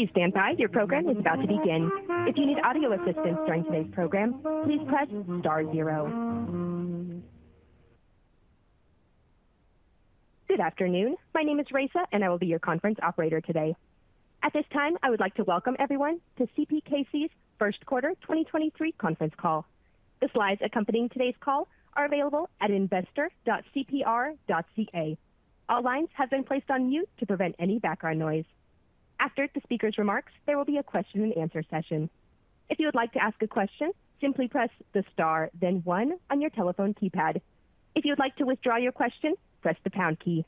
Please stand by. Your program is about to begin. If you need audio assistance during today's program, please press star zero. Good afternoon. My name is Raisa, and I will be your conference operator today. At this time, I would like to welcome everyone to CPKC's first quarter 2023 conference call. The slides accompanying today's call are available at investor.cpr.ca. All lines have been placed on mute to prevent any background noise. After the speaker's remarks, there will be a question and answer session. If you would like to ask a question, simply press the star then one on your telephone keypad. If you would like to withdraw your question, press the pound key.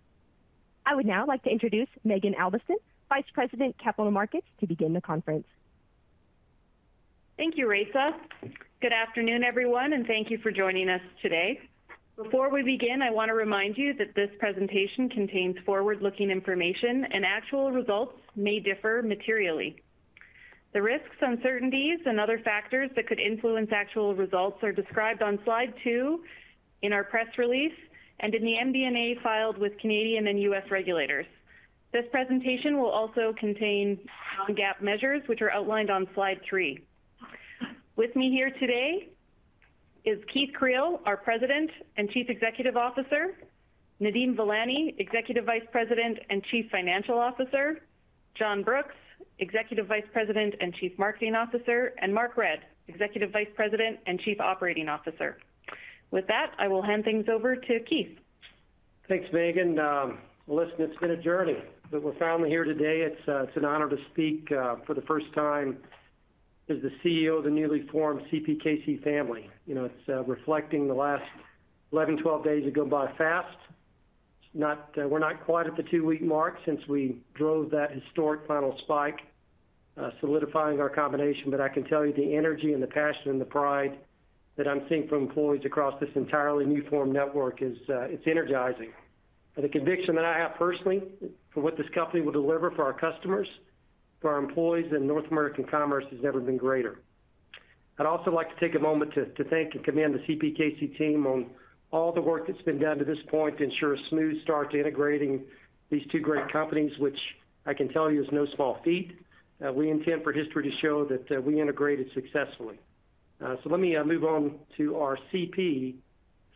I would now like to introduce Maeghan Albiston, Vice President, Capital Markets, to begin the conference. Thank you, Raisa. Good afternoon, everyone, thank you for joining us today. Before we begin, I want to remind you that this presentation contains forward-looking information, actual results may differ materially. The risks, uncertainties and other factors that could influence actual results are described on slide 2 in our press release and in the MD&A filed with Canadian and U.S. regulators. This presentation will also contain non-GAAP measures, which are outlined on slide 3. With me here today is Keith Creel, our President and Chief Executive Officer, Nadeem Velani, Executive Vice President and Chief Financial Officer, John Brooks, Executive Vice President and Chief Marketing Officer, and Mark Redd, Executive Vice President and Chief Operating Officer. With that, I will hand things over to Keith. Thanks, Megan. Listen, it's been a journey, we're finally here today. It's an honor to speak for the first time as the CEO of the newly formed CPKC family. You know, it's reflecting the last 11, 12 days ago by fast. We're not quite at the 2-week mark since we drove that historic final spike, solidifying our combination. I can tell you the energy and the passion and the pride that I'm seeing from employees across this entirely new form network is energizing. The conviction that I have personally for what this company will deliver for our customers, for our employees in North American commerce has never been greater. I'd also like to take a moment to thank and commend the CPKC team on all the work that's been done to this point to ensure a smooth start to integrating these two great companies, which I can tell you is no small feat. We intend for history to show that we integrated successfully. Let me move on to our CP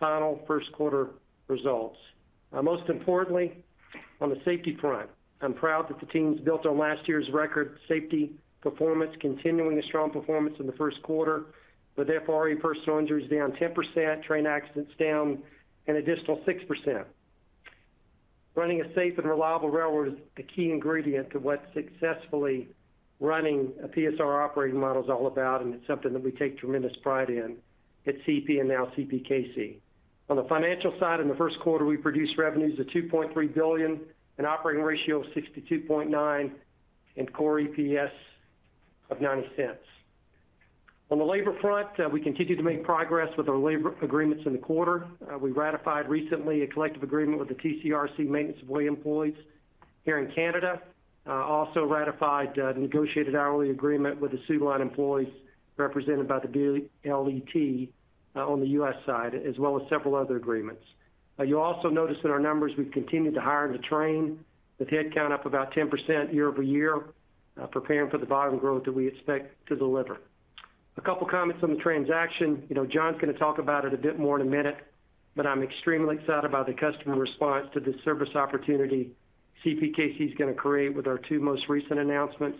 final first quarter results. Most importantly, on the safety front, I'm proud that the teams built on last year's record safety performance, continuing a strong performance in the first quarter, with FRA personal injuries down 10%, train accidents down an additional 6%. Running a safe and reliable railroad is the key ingredient to what successfully running a PSR operating model is all about, and it's something that we take tremendous pride in at CP and now CPKC. On the financial side, in the first quarter, we produced revenues of 2.3 billion, an operating ratio of 62.9% and core EPS of 0.90. On the labor front, we continue to make progress with our labor agreements in the quarter. We ratified recently a collective agreement with the TCRC Maintenance of Way employees here in Canada. Also ratified a negotiated hourly agreement with the Soo Line employees represented by the BLET, on the U.S. side, as well as several other agreements. You'll also notice in our numbers, we've continued to hire and to train, with headcount up about 10% year-over-year, preparing for the volume growth that we expect to deliver. A couple of comments on the transaction. You know, John's gonna talk about it a bit more in a minute, but I'm extremely excited about the customer response to the service opportunity CPKC is gonna create with our 2 most recent announcements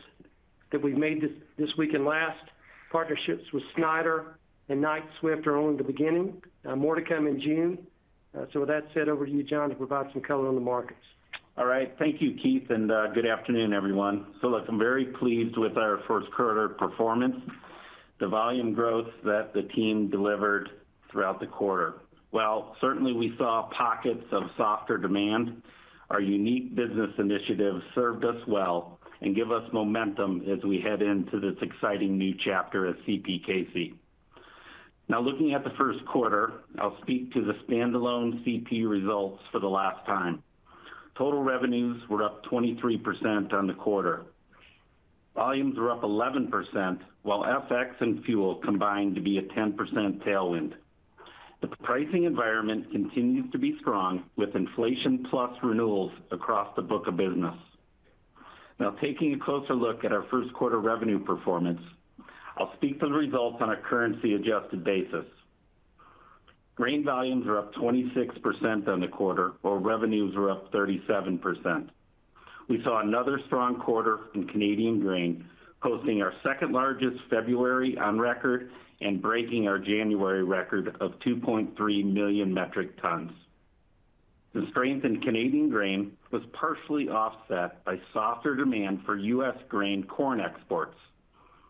that we've made this week and last. Partnerships with Schneider and Knight Swift are only the beginning. More to come in June. With that said, over to you, John, to provide some color on the markets. All right. Thank you, Keith, and good afternoon, everyone. Look, I'm very pleased with our first quarter performance, the volume growth that the team delivered throughout the quarter. While certainly we saw pockets of softer demand, our unique business initiatives served us well and give us momentum as we head into this exciting new chapter at CPKC. Looking at the first quarter, I'll speak to the standalone CP results for the last time. Total revenues were up 23% on the quarter. Volumes were up 11%, while FX and fuel combined to be a 10% tailwind. The pricing environment continues to be strong with inflation plus renewals across the book of business. Taking a closer look at our first quarter revenue performance, I'll speak to the results on a currency-adjusted basis. Grain volumes are up 26% on the quarter, while revenues are up 37%. We saw another strong quarter in Canadian grain, posting our second-largest February on record and breaking our January record of 2.3 million metric tons. The strength in Canadian grain was partially offset by softer demand for U.S. grain corn exports,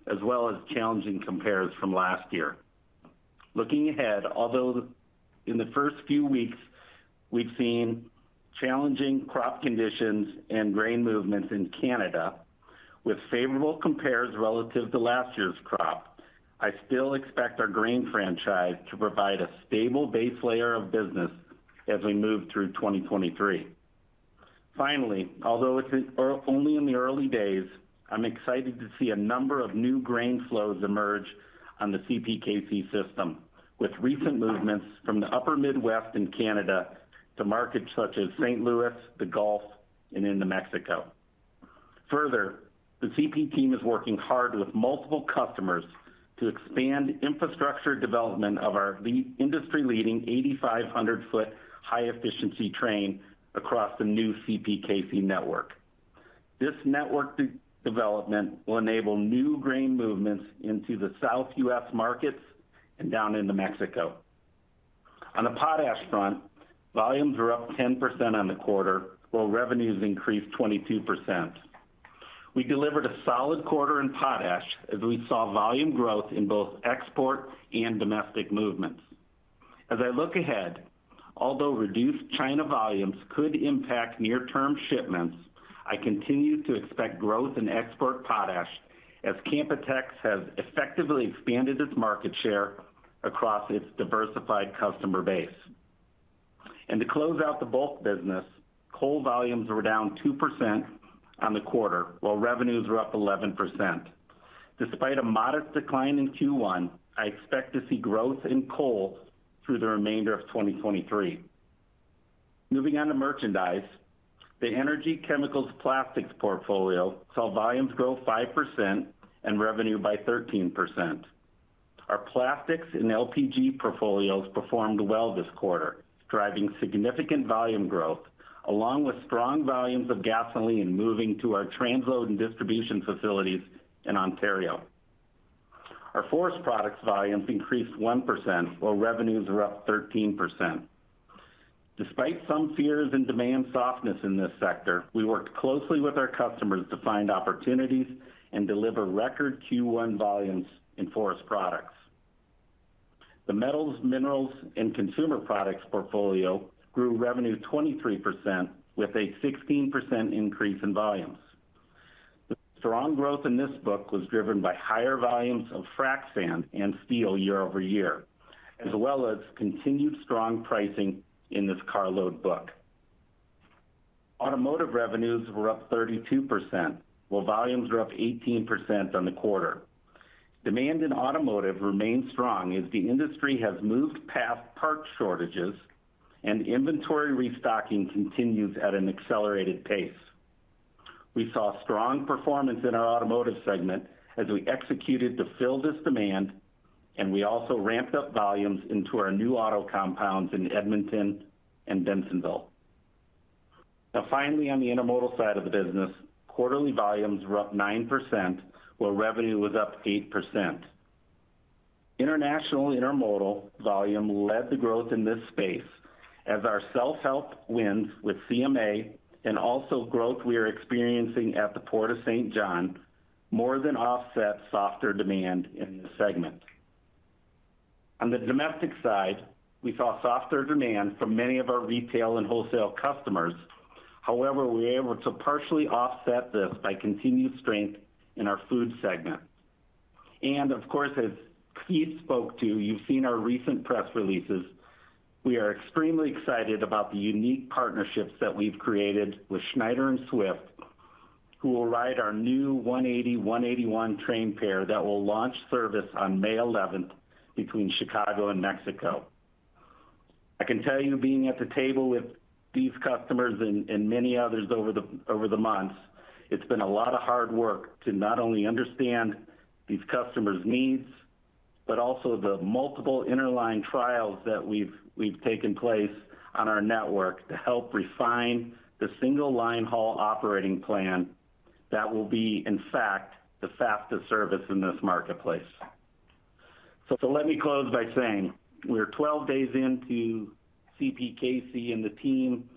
as well as challenging compares from last year. Looking ahead, although in the first few weeks, we've seen challenging crop conditions and grain movements in Canada with favorable compares relative to last year's crop, I still expect our grain franchise to provide a stable base layer of business as we move through 2023. Finally, although it's only in the early days, I'm excited to see a number of new grain flows emerge on the CPKC system. With recent movements from the upper Midwest and Canada to markets such as St. Louis, the Gulf, and into Mexico. Further, the CP team is working hard with multiple customers to expand infrastructure development of our industry-leading 8,500-foot high-efficiency train across the new CPKC network. This network de-development will enable new grain movements into the South U.S. markets and down into Mexico. On the potash front, volumes were up 10% on the quarter, while revenues increased 22%. We delivered a solid quarter in potash as we saw volume growth in both export and domestic movements. As I look ahead, although reduced China volumes could impact near-term shipments, I continue to expect growth in export potash as Canpotex has effectively expanded its market share across its diversified customer base. To close out the bulk business, coal volumes were down 2% on the quarter, while revenues were up 11%. Despite a modest decline in Q1, I expect to see growth in coal through the remainder of 2023. Moving on to merchandise. The energy, chemicals, plastics portfolio saw volumes grow 5% and revenue by 13%. Our plastics and LPG portfolios performed well this quarter, driving significant volume growth, along with strong volumes of gasoline moving to our transload and distribution facilities in Ontario. Our forest products volumes increased 1%, while revenues are up 13%. Despite some fears and demand softness in this sector, we worked closely with our customers to find opportunities and deliver record Q1 volumes in forest products. The metals, minerals and consumer products portfolio grew revenue 23% with a 16% increase in volumes. The strong growth in this book was driven by higher volumes of frac sand and steel year-over-year, as well as continued strong pricing in this carload book. Automotive revenues were up 32%, while volumes were up 18% on the quarter. Demand in automotive remains strong as the industry has moved past parts shortages and inventory restocking continues at an accelerated pace. We saw strong performance in our automotive segment as we executed to fill this demand, and we also ramped up volumes into our new auto compounds in Edmonton and Densonville. Finally, on the intermodal side of the business, quarterly volumes were up 9%, while revenue was up 8%. International intermodal volume led the growth in this space as our self-help wins with CMA and also growth we are experiencing at the Port of St. John more than offset softer demand in this segment. On the domestic side, we saw softer demand from many of our retail and wholesale customers. However, we were able to partially offset this by continued strength in our food segment. Of course, as Keith spoke to, you've seen our recent press releases, we are extremely excited about the unique partnerships that we've created with Schneider and Swift, who will ride our new 180/181 train pair that will launch service on May 11 between Chicago and Mexico. I can tell you, being at the table with these customers and many others over the months, it's been a lot of hard work to not only understand these customers' needs, but also the multiple interline trials that we've taken place on our network to help refine the single-line haul operating plan that will be, in fact, the fastest service in this marketplace. Let me close by saying we're 12 days into CPKC, and the team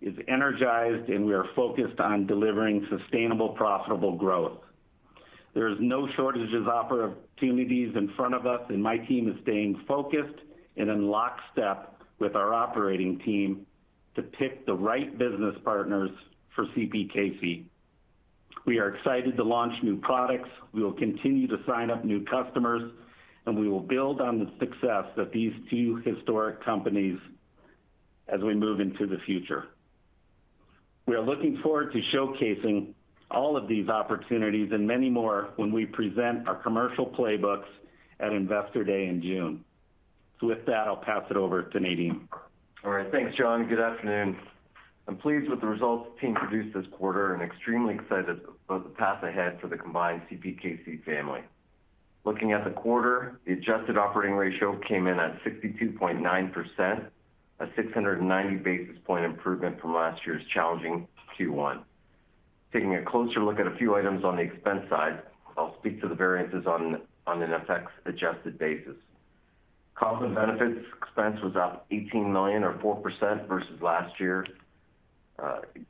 is energized, and we are focused on delivering sustainable, profitable growth. There is no shortage of opportunities in front of us, and my team is staying focused and in lockstep with our operating team to pick the right business partners for CPKC. We are excited to launch new products. We will continue to sign up new customers, and we will build on the success of these two historic companies as we move into the future. We are looking forward to showcasing all of these opportunities and many more when we present our commercial playbooks at Investor Day in June. With that, I'll pass it over to Nadeem. All right. Thanks, John. Good afternoon. I'm pleased with the results the team produced this quarter and extremely excited about the path ahead for the combined CPKC family. Looking at the quarter, the adjusted operating ratio came in at 62.9%, a 690 basis point improvement from last year's challenging Q1. Taking a closer look at a few items on the expense side, I'll speak to the variances on an FX-adjusted basis. Comp and benefits expense was up 18 million or 4% versus last year.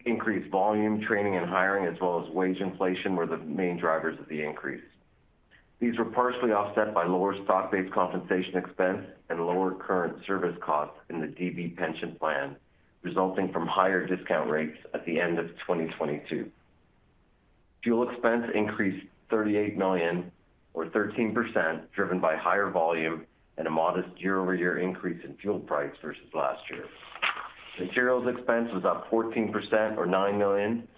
Increased volume, training and hiring, as well as wage inflation were the main drivers of the increase. These were partially offset by lower stock-based compensation expense and lower current service costs in the DB pension plan, resulting from higher discount rates at the end of 2022. Fuel expense increased 38 million or 13%, driven by higher volume and a modest year-over-year increase in fuel price versus last year. Materials expense was up 14% or 9 million,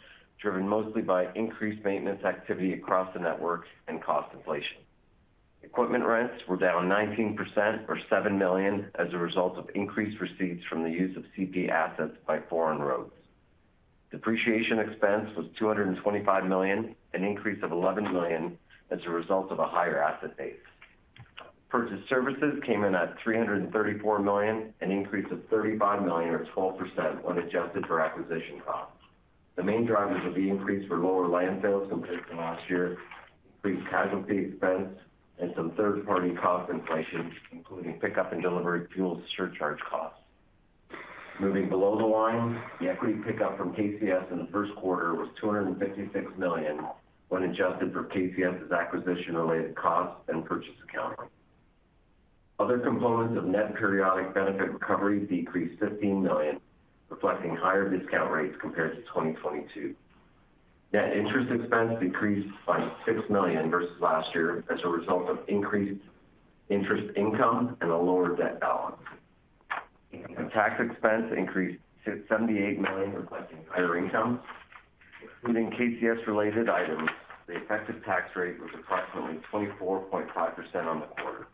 driven mostly by increased maintenance activity across the networks and cost inflation. Equipment rents were down 19% or 7 million as a result of increased receipts from the use of CP assets by foreign roads. Depreciation expense was 225 million, an increase of 11 million as a result of a higher asset base. Purchased services came in at 334 million, an increase of 35 million or 12% when adjusted for acquisition costs. The main drivers of the increase were lower landfills compared to last year, increased casualty expense, and some third-party cost inflation, including pickup and delivery fuel surcharge costs. Moving below the line, the equity pickup from KCS in the first quarter was 256 million when adjusted for KCS's acquisition-related costs and purchase accounting. Other components of net periodic benefit recovery decreased 15 million, reflecting higher discount rates compared to 2022. Net interest expense decreased by 6 million versus last year as a result of increased interest income and a lower debt balance. Tax expense increased to 78 million, reflecting higher income. Including KCS related items, the effective tax rate was approximately 24.5% on the quarter.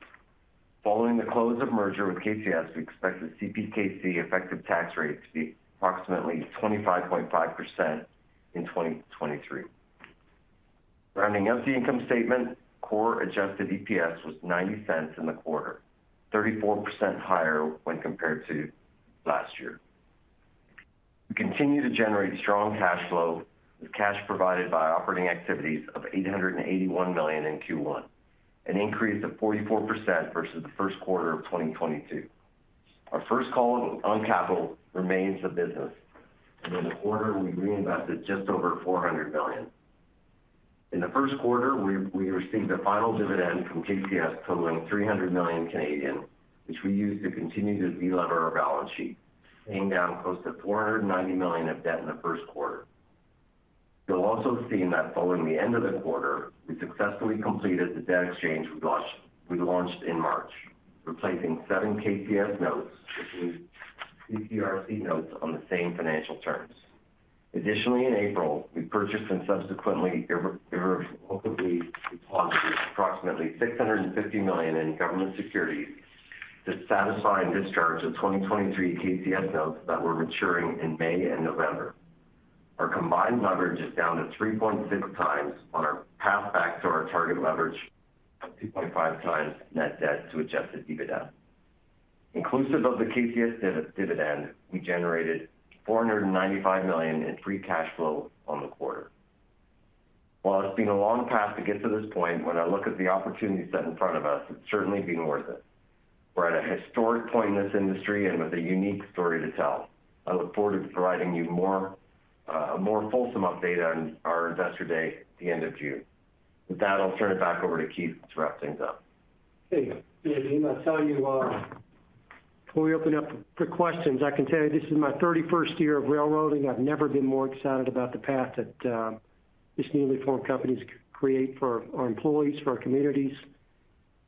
Following the close of merger with KCS, we expect the CPKC effective tax rate to be approximately 25.5% in 2023. Rounding out the income statement, core adjusted EPS was 0.90 in the quarter, 34% higher when compared to last year. We continue to generate strong cash flow with cash provided by operating activities of 881 million in Q1, an increase of 44% versus the first quarter of 2022. Our first call on capital remains the business. In the quarter we reinvested just over 400 million. In the first quarter, we received a final dividend from KCS totaling 300 million Canadian dollars, which we used to continue to delever our balance sheet, paying down close to 490 million of debt in the first quarter. You'll also see that following the end of the quarter, we successfully completed the debt exchange we launched in March, replacing 7 KCS notes with CPRC notes on the same financial terms. In April, we purchased and subsequently irrevocably deposited approximately $650 million in government securities to satisfy and discharge the 2023 KCS notes that were maturing in May and November. Our combined leverage is down to 3.6 times on our path back to our target leverage of 2.5 times net debt to adjusted EBITDA. Inclusive of the KCS dividend, we generated $495 million in free cash flow on the quarter. It's been a long path to get to this point, when I look at the opportunity set in front of us, it's certainly been worth it. We're at a historic point in this industry and with a unique story to tell. I look forward to providing you a more fulsome update on our investor day at the end of June. With that, I'll turn it back over to Keith to wrap things up. Thank you. Yeah, I'll tell you, before we open up for questions, I can tell you this is my 31st year of railroading. I've never been more excited about the path that these newly formed companies could create for our employees, for our communities,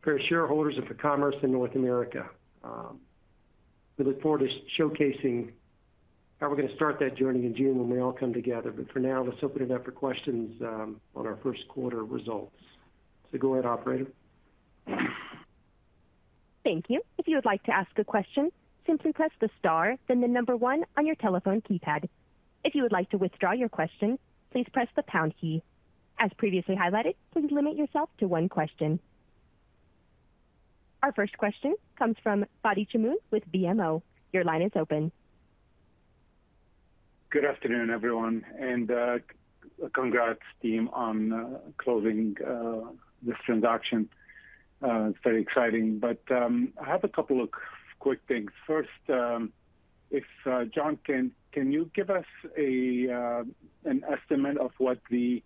for our shareholders, and for commerce in North America. We look forward to showcasing how we're gonna start that journey in June when we all come together. For now, let's open it up for questions on our 1st quarter results. Go ahead, operator. Thank you. If you would like to ask a question, simply press the star, then the number one on your telephone keypad. If you would like to withdraw your question, please press the pound key. As previously highlighted, please limit yourself to one question. Our first question comes from Fadi Chamoun with BMO. Your line is open. Good afternoon, everyone. Congrats team on closing this transaction. It's very exciting. I have a couple of quick things. First, if John, can you give us an estimate of what the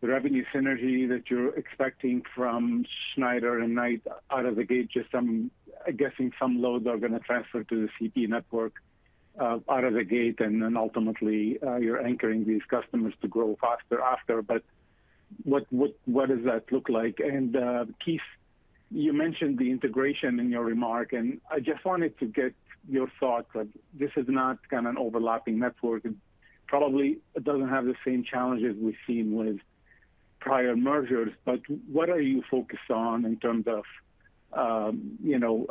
revenue synergy that you're expecting from Schneider and Knight out of the gate? I'm guessing some loads are gonna transfer to the CP network out of the gate, and then ultimately, you're anchoring these customers to grow faster after. What does that look like? Keith, you mentioned the integration in your remark, and I just wanted to get your thoughts. Like, this is not kind of an overlapping network. It probably doesn't have the same challenges we've seen with prior mergers. What are you focused on in terms of, you know,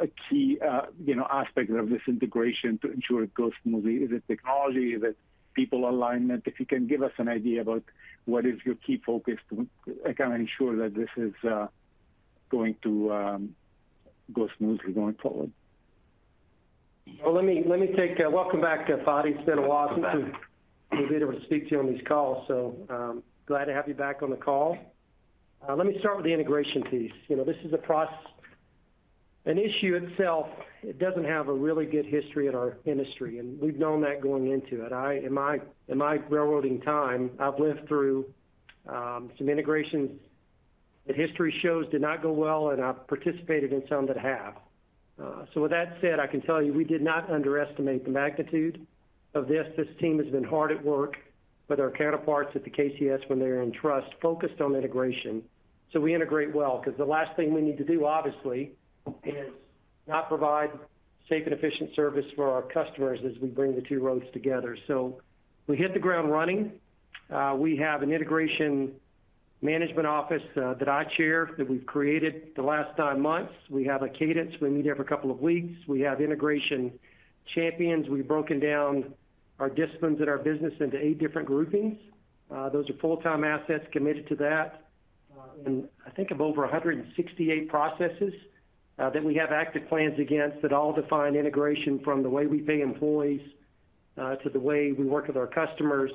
a key, you know, aspect of this integration to ensure it goes smoothly? Is it technology? Is it people alignment? If you can give us an idea about what is your key focus to kind of ensure that this is going to go smoothly going forward. Well, Welcome back, Fadi. It's been a while. You bet.... since we've been able to speak to you on these calls, so, glad to have you back on the call. Let me start with the integration piece. You know, this is a process. An issue itself, it doesn't have a really good history in our industry, and we've known that going into it. In my railroading time, I've lived through some integrations that history shows did not go well, and I've participated in some that have. With that said, I can tell you we did not underestimate the magnitude of this. This team has been hard at work. With our counterparts at the KCS when they're in trust focused on integration. We integrate well, because the last thing we need to do, obviously, is not provide safe and efficient service for our customers as we bring the two roads together. We hit the ground running. We have an integration management office that I chair that we've created the last nine months. We have a cadence. We meet every couple of weeks. We have integration champions. We've broken down our disciplines at our business into eight different groupings. Those are full-time assets committed to that. And I think of over 168 processes that we have active plans against that all define integration from the way we pay employees to the way we work with our customers,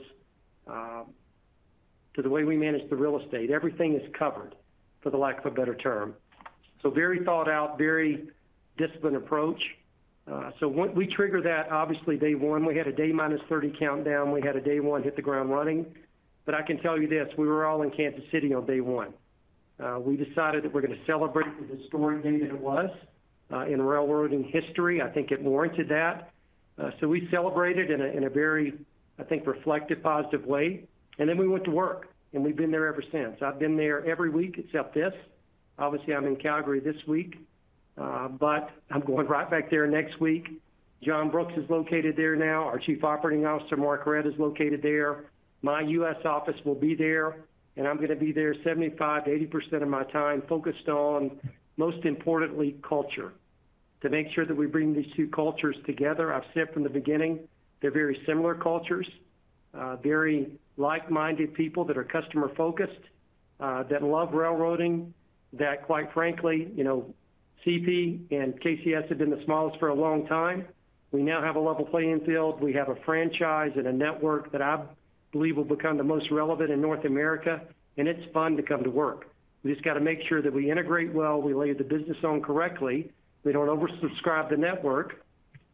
to the way we manage the real estate. Everything is covered, for the lack of a better term. Very thought out, very disciplined approach. We trigger that obviously day one. We had a day minus 30 countdown. We had a day one hit the ground running. I can tell you this, we were all in Kansas City on day 1. We decided that we're gonna celebrate the historic day that it was in railroading history. I think it warranted that. We celebrated in a very, I think, reflective, positive way. We went to work, and we've been there ever since. I've been there every week except this. Obviously, I'm in Calgary this week, but I'm going right back there next week. John Brooks is located there now. Our Chief Operating Officer, Mark Redd, is located there. My U.S. office will be there, and I'm gonna be there 75%-80% of my time focused on, most importantly, culture, to make sure that we bring these two cultures together. I've said from the beginning, they're very similar cultures, very like-minded people that are customer focused, that love railroading, that quite frankly, you know, CP and KCS have been the smallest for a long time. We now have a level playing field. We have a franchise and a network that I believe will become the most relevant in North America. It's fun to come to work. We just got to make sure that we integrate well, we lay the business on correctly, we don't oversubscribe the network,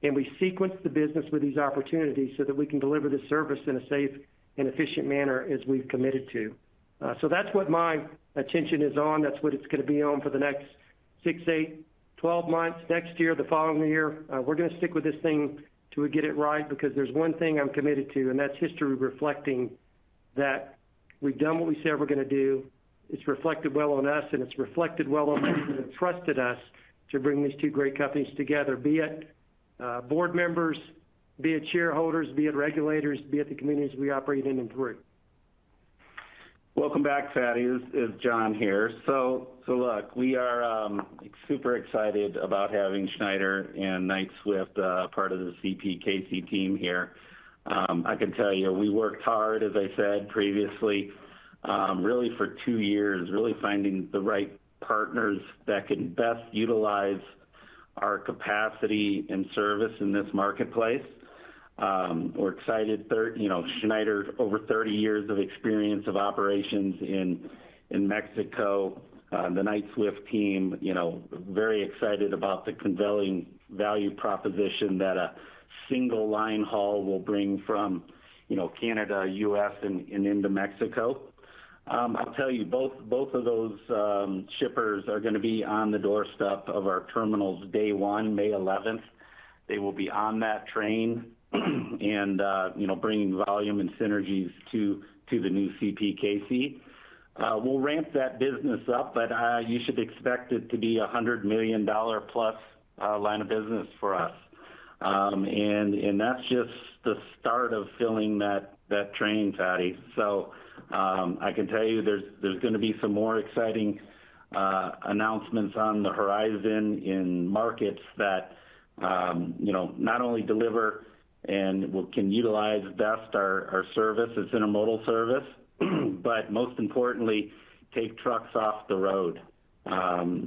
and we sequence the business with these opportunities so that we can deliver the service in a safe and efficient manner as we've committed to. So that's what my attention is on. That's what it's gonna be on for the next six, eight, 12 months, next year, the following year. We're gonna stick with this thing till we get it right because there's one thing I'm committed to. That's history reflecting that we've done what we said we're gonna do. It's reflected well on us, and it's reflected well on those who have trusted us to bring these two great companies together, be it board members, be it shareholders, be it regulators, be it the communities we operate in and through. Welcome back, Fadi. This is John here. Look, we are super excited about having Schneider and Knight-Swift part of the CPKC team here. I can tell you, we worked hard, as I said previously, really for two years, really finding the right partners that can best utilize our capacity and service in this marketplace. We're excited. You know, Schneider, over 30 years of experience of operations in Mexico. The Knight-Swift team, you know, very excited about the conveying value proposition that a single line haul will bring from, you know, Canada, US, and into Mexico. I'll tell you both of those shippers are gonna be on the doorstep of our terminals day one, May 11th. They will be on that train and, you know, bringing volume and synergies to the new CPKC. We'll ramp that business up, but, you should expect it to be a $100 million plus line of business for us. That's just the start of filling that train, Patty. I can tell you there's gonna be some more exciting announcements on the horizon in markets that, you know, not only deliver and can utilize best our service, its intermodal service, but most importantly, take trucks off the road.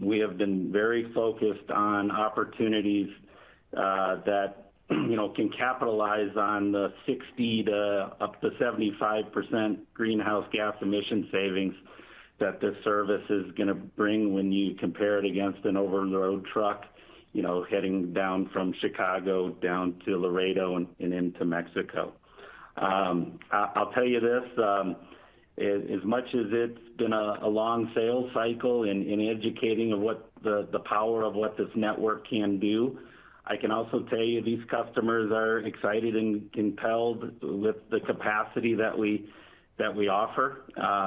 We have been very focused on opportunities that, you know, can capitalize on the 60% to up to 75% greenhouse gas emission savings that this service is gonna bring when you compare it against an over-the-road truck, you know, heading down from Chicago down to Laredo and into Mexico. I'll tell you this, as much as it's been a long sales cycle in educating of what the power of what this network can do, I can also tell you these customers are excited and compelled with the capacity that we offer.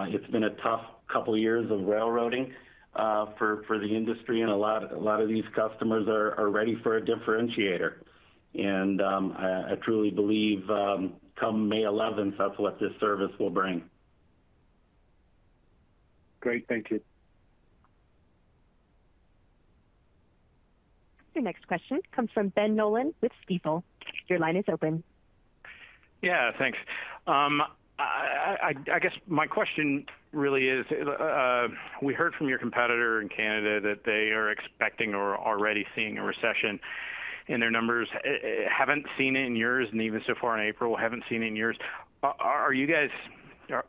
It's been a tough couple of years of railroading, for the industry, a lot of these customers are ready for a differentiator. I truly believe, come May 11, that's what this service will bring. Great. Thank you. Your next question comes from Ben Nolan with Stifel. Your line is open. Yeah, thanks. I guess my question really is, we heard from your competitor in Canada that they are expecting or already seeing a recession in their numbers. haven't seen it in yours, and even so far in April, haven't seen it in yours. Are you guys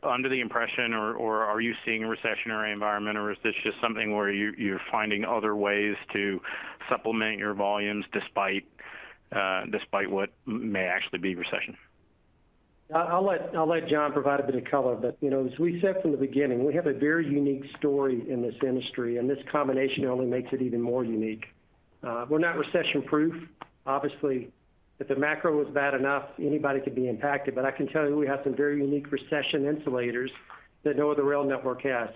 under the impression or are you seeing a recessionary environment, or is this just something where you're finding other ways to supplement your volumes despite what may actually be recession? I'll let John provide a bit of color. you know, as we said from the beginning, we have a very unique story in this industry, and this combination only makes it even more unique. We're not recession-proof. Obviously, if the macro was bad enough, anybody could be impacted. I can tell you, we have some very unique recession insulators that no other rail network has,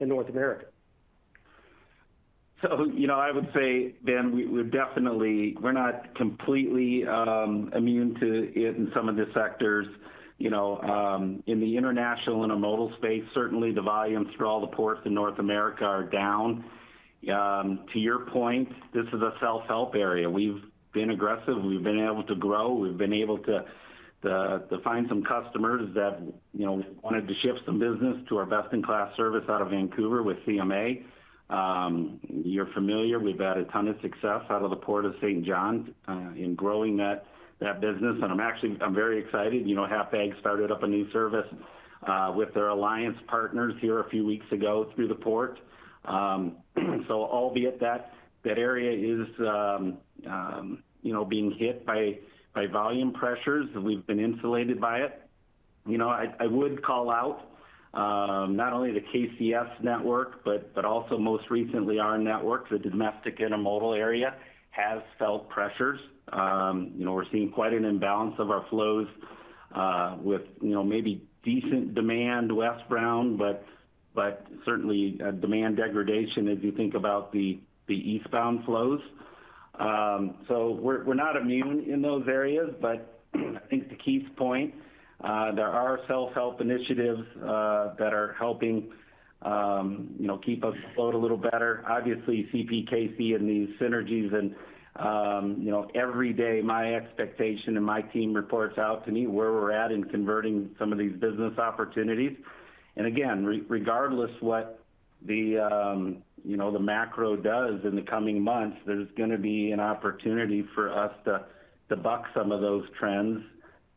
in North America. You know, I would say, Ben, we're not completely immune to it in some of the sectors. You know, in the international intermodal space, certainly the volumes through all the ports in North America are down. To your point, this is a self-help area. We've been aggressive. We've been able to grow. We've been able to find some customers that, you know, wanted to shift some business to our best-in-class service out of Vancouver with CMA. You're familiar, we've had a ton of success out of the Port of Saint John in growing that business. I'm very excited. You know, Hapag started up a new service with their alliance partners here a few weeks ago through the port. Albeit that area is, you know, being hit by volume pressures, and we've been insulated by it. You know, I would call out, not only the KCS network, but also most recently our network, the domestic intermodal area, has felt pressures. You know, we're seeing quite an imbalance of our flows, with, you know, maybe decent demand westbound, but certainly a demand degradation as you think about the eastbound flows. We're, we're not immune in those areas, but I think to Keith's point, there are self-help initiatives that are helping, you know, keep us afloat a little better. Obviously, CPKC and these synergies and, you know, every day my expectation and my team reports out to me where we're at in converting some of these business opportunities. Again, regardless what the, you know, the macro does in the coming months, there's gonna be an opportunity for us to buck some of those trends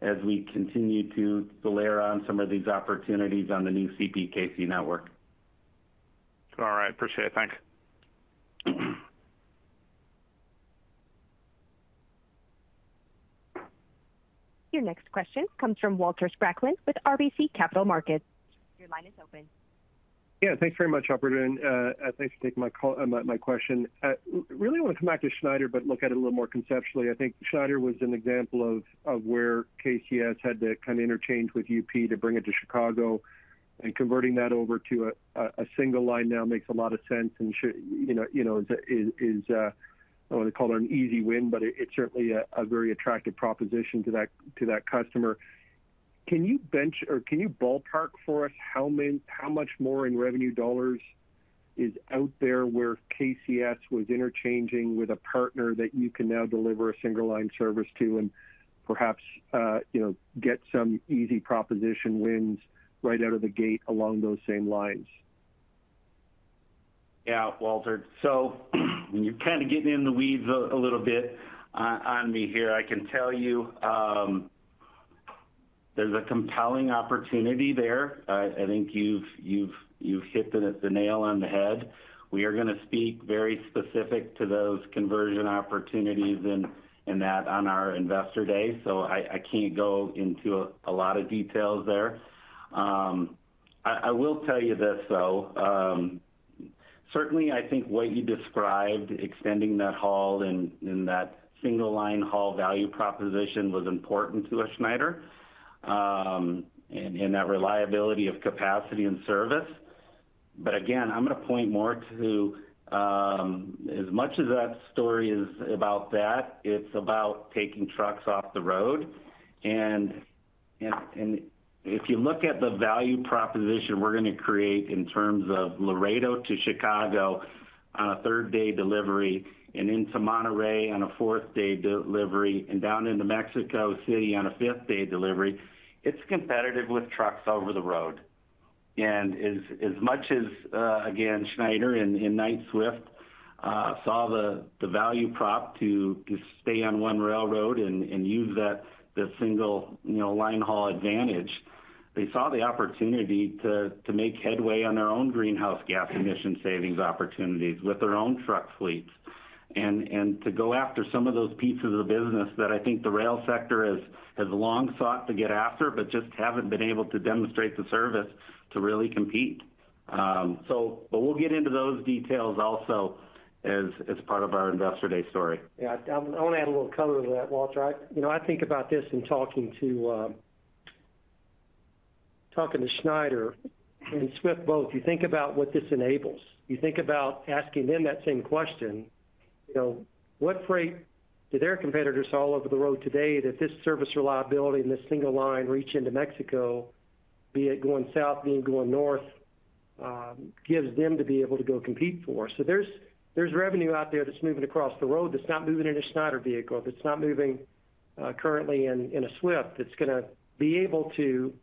as we continue to layer on some of these opportunities on the new CPKC network. All right. Appreciate it. Thanks. Your next question comes from Walter Spracklin with RBC Capital Markets. Your line is open. Yeah. Thanks very much, operator, and thanks for taking my call, my question. Really wanna come back to Schneider, but look at it a little more conceptually. I think Schneider was an example of where KCS had to kind of interchange with UP to bring it to Chicago, and converting that over to a single line now makes a lot of sense and you know, you know, is I don't want to call it an easy win, but it's certainly a very attractive proposition to that customer. Can you ballpark for us how much more in revenue dollars is out there where KCS was interchanging with a partner that you can now deliver a single line service to, and perhaps, you know, get some easy proposition wins right out of the gate along those same lines? Yeah, Walter. You're kind of getting in the weeds a little bit on me here. I can tell you, there's a compelling opportunity there. I think you've hit the nail on the head. We are gonna speak very specific to those conversion opportunities and that on our Investor Day. I can't go into a lot of details there. I will tell you this, though. Certainly, I think what you described, extending that haul and that single line haul value proposition was important to a Schneider in that reliability of capacity and service. Again, I'm gonna point more to, as much as that story is about that, it's about taking trucks off the road. If you look at the value proposition we're going to create in terms of Laredo to Chicago on a third day delivery and into Monterrey on a fourth day delivery and down into Mexico City on a fifth day delivery, it's competitive with trucks over the road. As much as again Schneider and Knight-Swift saw the value prop to stay on one railroad and use that, the single, you know, line haul advantage, they saw the opportunity to make headway on their own greenhouse gas emission savings opportunities with their own truck fleets. To go after some of those pieces of business that I think the rail sector has long sought to get after, but just haven't been able to demonstrate the service to really compete. We'll get into those details also as part of our Investor Day story. Yeah. I wanna add a little color to that, Walter. you know, I think about this in talking to, talking to Schneider and Swift both. You think about what this enables. You think about asking them that same question. You know, what freight do their competitors haul over the road today that this service reliability and this single line reach into Mexico, be it going south, be it going north, gives them to be able to go compete for? There's revenue out there that's moving across the road that's not moving in a Schneider vehicle, that's not moving, currently in a Swift, that's gonna be able to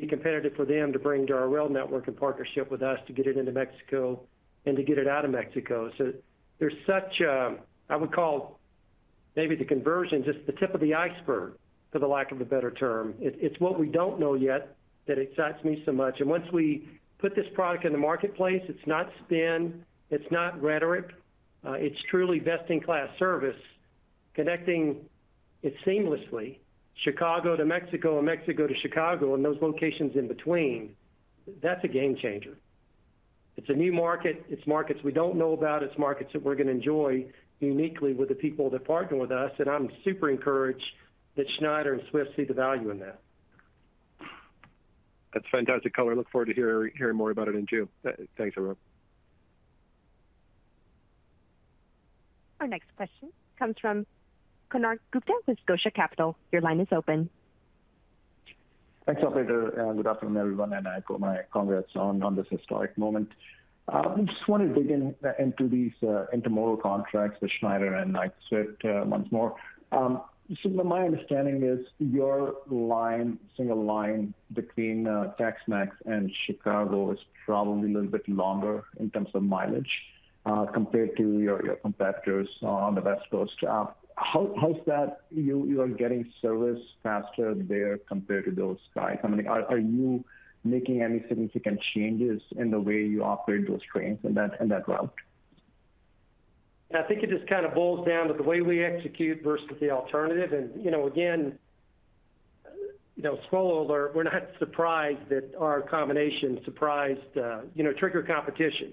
be competitive for them to bring to our rail network in partnership with us to get it into Mexico and to get it out of Mexico. There's such a, I would call maybe the conversion just the tip of the iceberg, for the lack of a better term. It's what we don't know yet that excites me so much. Once we put this product in the marketplace, it's not spin, it's not rhetoric, it's truly best-in-class service. Connecting it seamlessly, Chicago to Mexico and Mexico to Chicago and those locations in between, that's a game changer. It's a new market. It's markets we don't know about. It's markets that we're going to enjoy uniquely with the people that partner with us, I'm super encouraged that Schneider and Swift see the value in that. That's fantastic color. Look forward to hearing more about it in June. Thanks, Aurore. Our next question comes from Konark Gupta with Scotia Capital. Your line is open. Thanks, operator. Good afternoon, everyone. I put my congrats on this historic moment. I just want to dig in into these intermodal contracts with Schneider and Knight-Swift once more. My understanding is your line, single line between Tex-Mex and Chicago is probably a little bit longer in terms of mileage compared to your competitors on the West Coast. How is that you are getting service faster there compared to those guys? I mean, are you making any significant changes in the way you operate those trains in that route? I think it just kind of boils down to the way we execute versus the alternative. You know, again, you know, swallow alert. We're not surprised that our combination surprised, you know, trigger competition.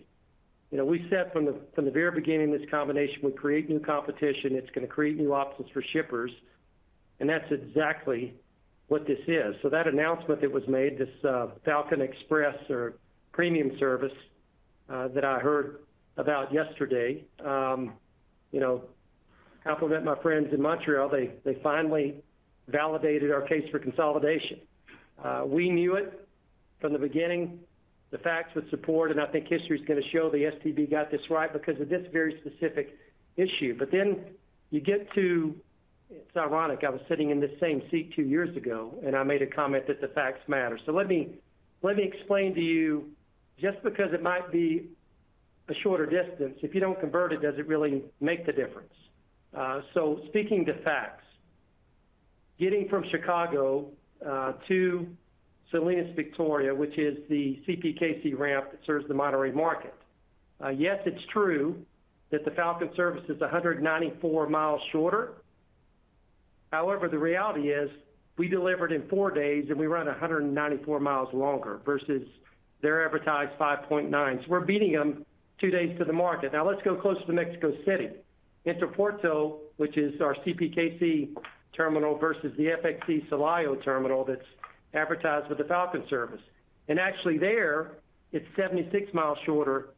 You know, we said from the very beginning, this combination would create new competition. It's going to create new options for shippers, and that's exactly what this is. That announcement that was made, this Falcon Premium or premium service, that I heard about yesterday, you know, compliment my friends in Montreal. They finally validated our case for consolidation. We knew it from the beginning. The facts would support, and I think history is going to show the STB got this right because of this very specific issue. It's ironic. I was sitting in this same seat 2 years ago, and I made a comment that the facts matter. Let me explain to you, just because it might be a shorter distance, if you don't convert it, does it really make the difference? Speaking to facts, getting from Chicago, to Salinas Victoria, which is the CPKC ramp that serves the Monterrey market. Yes, it's true that the Falcon service is 194 miles shorter. However, the reality is we delivered in 4 days, and we run 194 miles longer versus their advertised 5.9. We're beating them 2 days to the market. Let's go closer to Mexico City. Interpuerto, which is our CPKC terminal versus the FXE Celaya terminal that's advertised with the Falcon service. Actually there, it's 76 miles shorter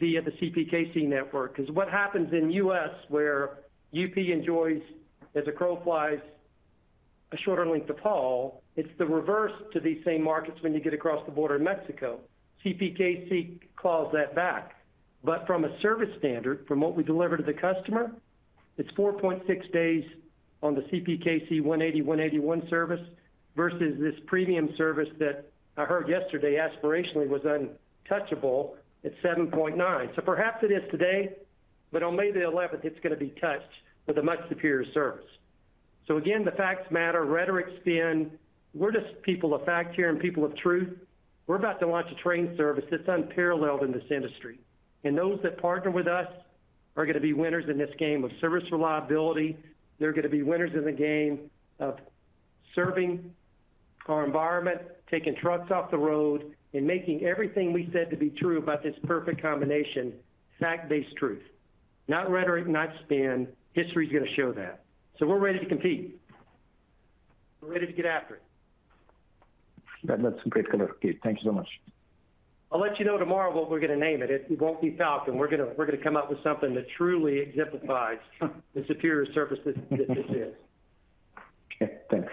via the CPKC network. What happens in US where UP enjoys, as a crow flies, a shorter length of haul, it's the reverse to these same markets when you get across the border in Mexico. CPKC claws that back. From a service standard, from what we deliver to the customer, it's 4.6 days on the CPKC 180/181 service versus this premium service that I heard yesterday aspirationally was untouchable at 7.9. Perhaps it is today, but on May the 11th, it's going to be touched with a much superior service. Again, the facts matter. Rhetoric spin. We're just people of fact here and people of truth. We're about to launch a train service that's unparalleled in this industry. Those that partner with us are going to be winners in this game of service reliability. They're going to be winners in the game of serving our environment, taking trucks off the road, and making everything we said to be true about this perfect combination, fact-based truth, not rhetoric, not spin. History is going to show that. We're ready to compete. We're ready to get after it. That's some great color, Keith. Thank you so much. I'll let you know tomorrow what we're going to name it. It won't be Falcon. We're gonna come up with something that truly exemplifies the superior service that this is. Okay, thanks.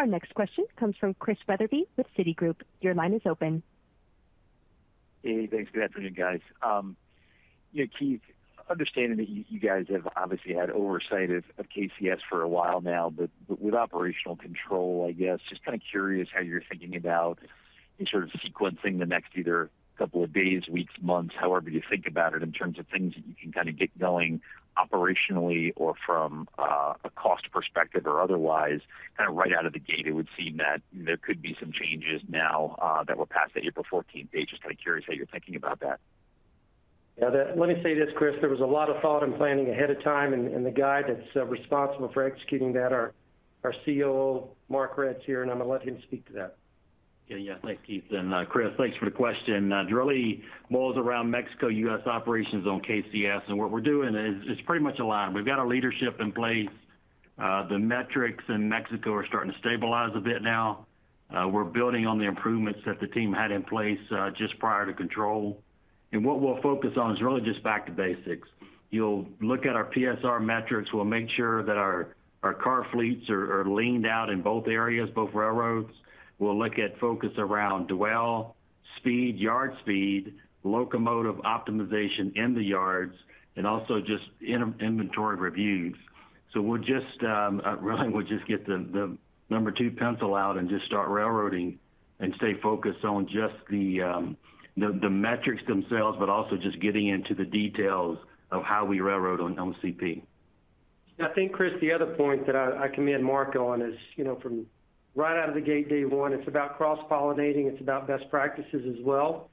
Our next question comes from Chris Wetherbee with Citigroup. Your line is open. Hey, thanks. Good afternoon, guys. Yeah, Keith, understanding that you guys have obviously had oversight of KCS for a while now, but with operational control, I guess, just kind of curious how you're thinking about sort of sequencing the next either couple of days, weeks, months, however you think about it, in terms of things that you can kind of get going operationally or from a cost perspective or otherwise, kind of right out of the gate. It would seem that there could be some changes now that were passed at April 14th date. Just kind of curious how you're thinking about that. Yeah, let me say this, Chris, there was a lot of thought and planning ahead of time, and the guy that's responsible for executing that, our COO, Mark Redd, is here, and I'm going to let him speak to that. Yeah. Thanks, Keith. Chris, thanks for the question. It really boils around Mexico-U.S. operations on KCS. What we're doing is pretty much aligned. We've got our leadership in place. The metrics in Mexico are starting to stabilize a bit now. We're building on the improvements that the team had in place just prior to control. What we'll focus on is really just back to basics. You'll look at our PSR metrics. We'll make sure that our car fleets are leaned out in both areas, both railroads. We'll look at focus around dwell, speed, yard speed, locomotive optimization in the yards, and also just in-inventory reviews. we'll just really get the number two pencil out and just start railroading and stay focused on just the metrics themselves, but also just getting into the details of how we railroad on CP. I think, Chris, the other point that I commend Mark Redd on is, you know, from right out of the gate day one, it's about cross-pollinating, it's about best practices as well.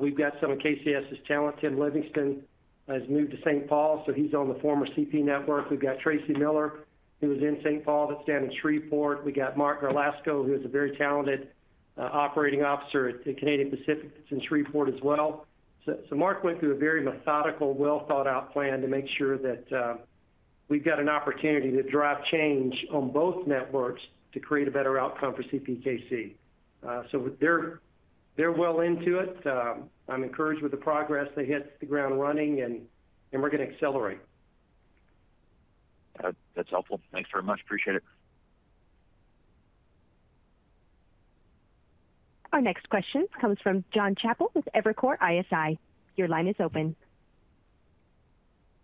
We've got some of KCS's talent. Tim Livingston has moved to St. Paul, he's on the former CP network. We've got Tracy Miller, who was in St. Paul, staying in Shreveport. We got Mark Redd, who is a very talented operating officer at Canadian Pacific, that's in Shreveport as well. Mark Redd went through a very methodical, well-thought-out plan to make sure that we've got an opportunity to drive change on both networks to create a better outcome for CPKC. They're well into it. I'm encouraged with the progress. They hit the ground running and we're gonna accelerate. That's helpful. Thanks very much. Appreciate it. Our next question comes from Jonathan Chappell with Evercore ISI. Your line is open.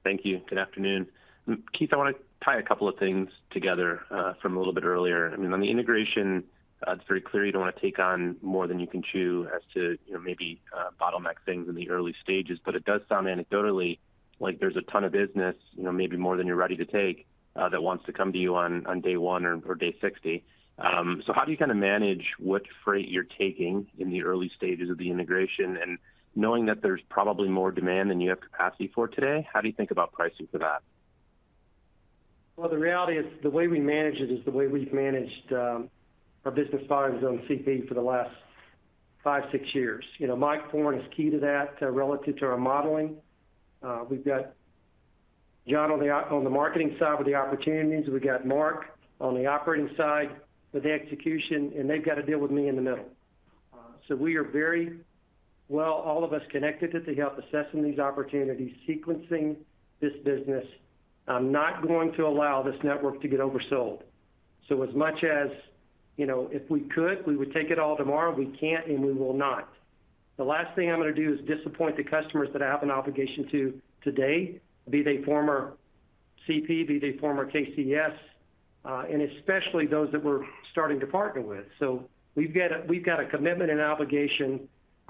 Thank you. Good afternoon. Keith, I wanna tie a couple of things together from a little bit earlier. I mean, on the integration, it's very clear you don't wanna take on more than you can chew as to, you know, maybe bottleneck things in the early stages, but it does sound anecdotally like there's a ton of business, you know, maybe more than you're ready to take that wants to come to you on day 1 or day 60. How do you kind of manage what freight you're taking in the early stages of the integration? Knowing that there's probably more demand than you have capacity for today, how do you think about pricing for that? Well, the reality is the way we manage it is the way we've managed, our business partners on CP for the last 5, 6 years. You know, Mike Foran is key to that, relative to our modeling. We've got John on the marketing side with the opportunities. We got Mark on the operating side with the execution, and they've got to deal with me in the middle. We are very well all of us connected to help assessing these opportunities, sequencing this business. I'm not going to allow this network to get oversold. As much as, you know, if we could, we would take it all tomorrow. We can't, and we will not. The last thing I'm gonna do is disappoint the customers that I have an obligation to today, be they former CP, be they former KCS, and especially those that we're starting to partner with. We've got a commitment and obligation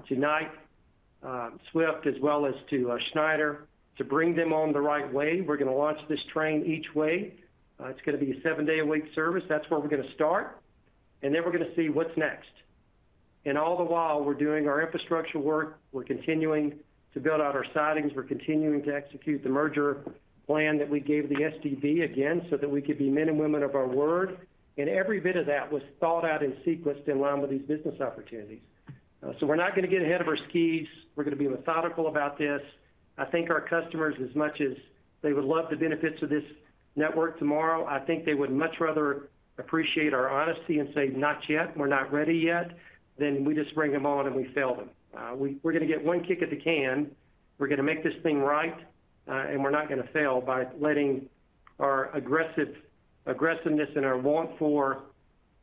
to Knight-Swift, as well as to Schneider to bring them on the right way. We're gonna launch this train each way. It's gonna be a seven-day a week service. That's where we're gonna start. We're gonna see what's next. All the while, we're doing our infrastructure work, we're continuing to build out our sidings, we're continuing to execute the merger plan that we gave the STB, again, so that we could be men and women of our word. Every bit of that was thought out and sequenced in line with these business opportunities. We're not gonna get ahead of our skis. We're gonna be methodical about this. I think our customers, as much as they would love the benefits of this network tomorrow, I think they would much rather appreciate our honesty and say, "Not yet. We're not ready yet," than we just bring them on and we fail them. We're gonna get one kick at the can. We're gonna make this thing right, and we're not gonna fail by letting our aggressiveness and our want for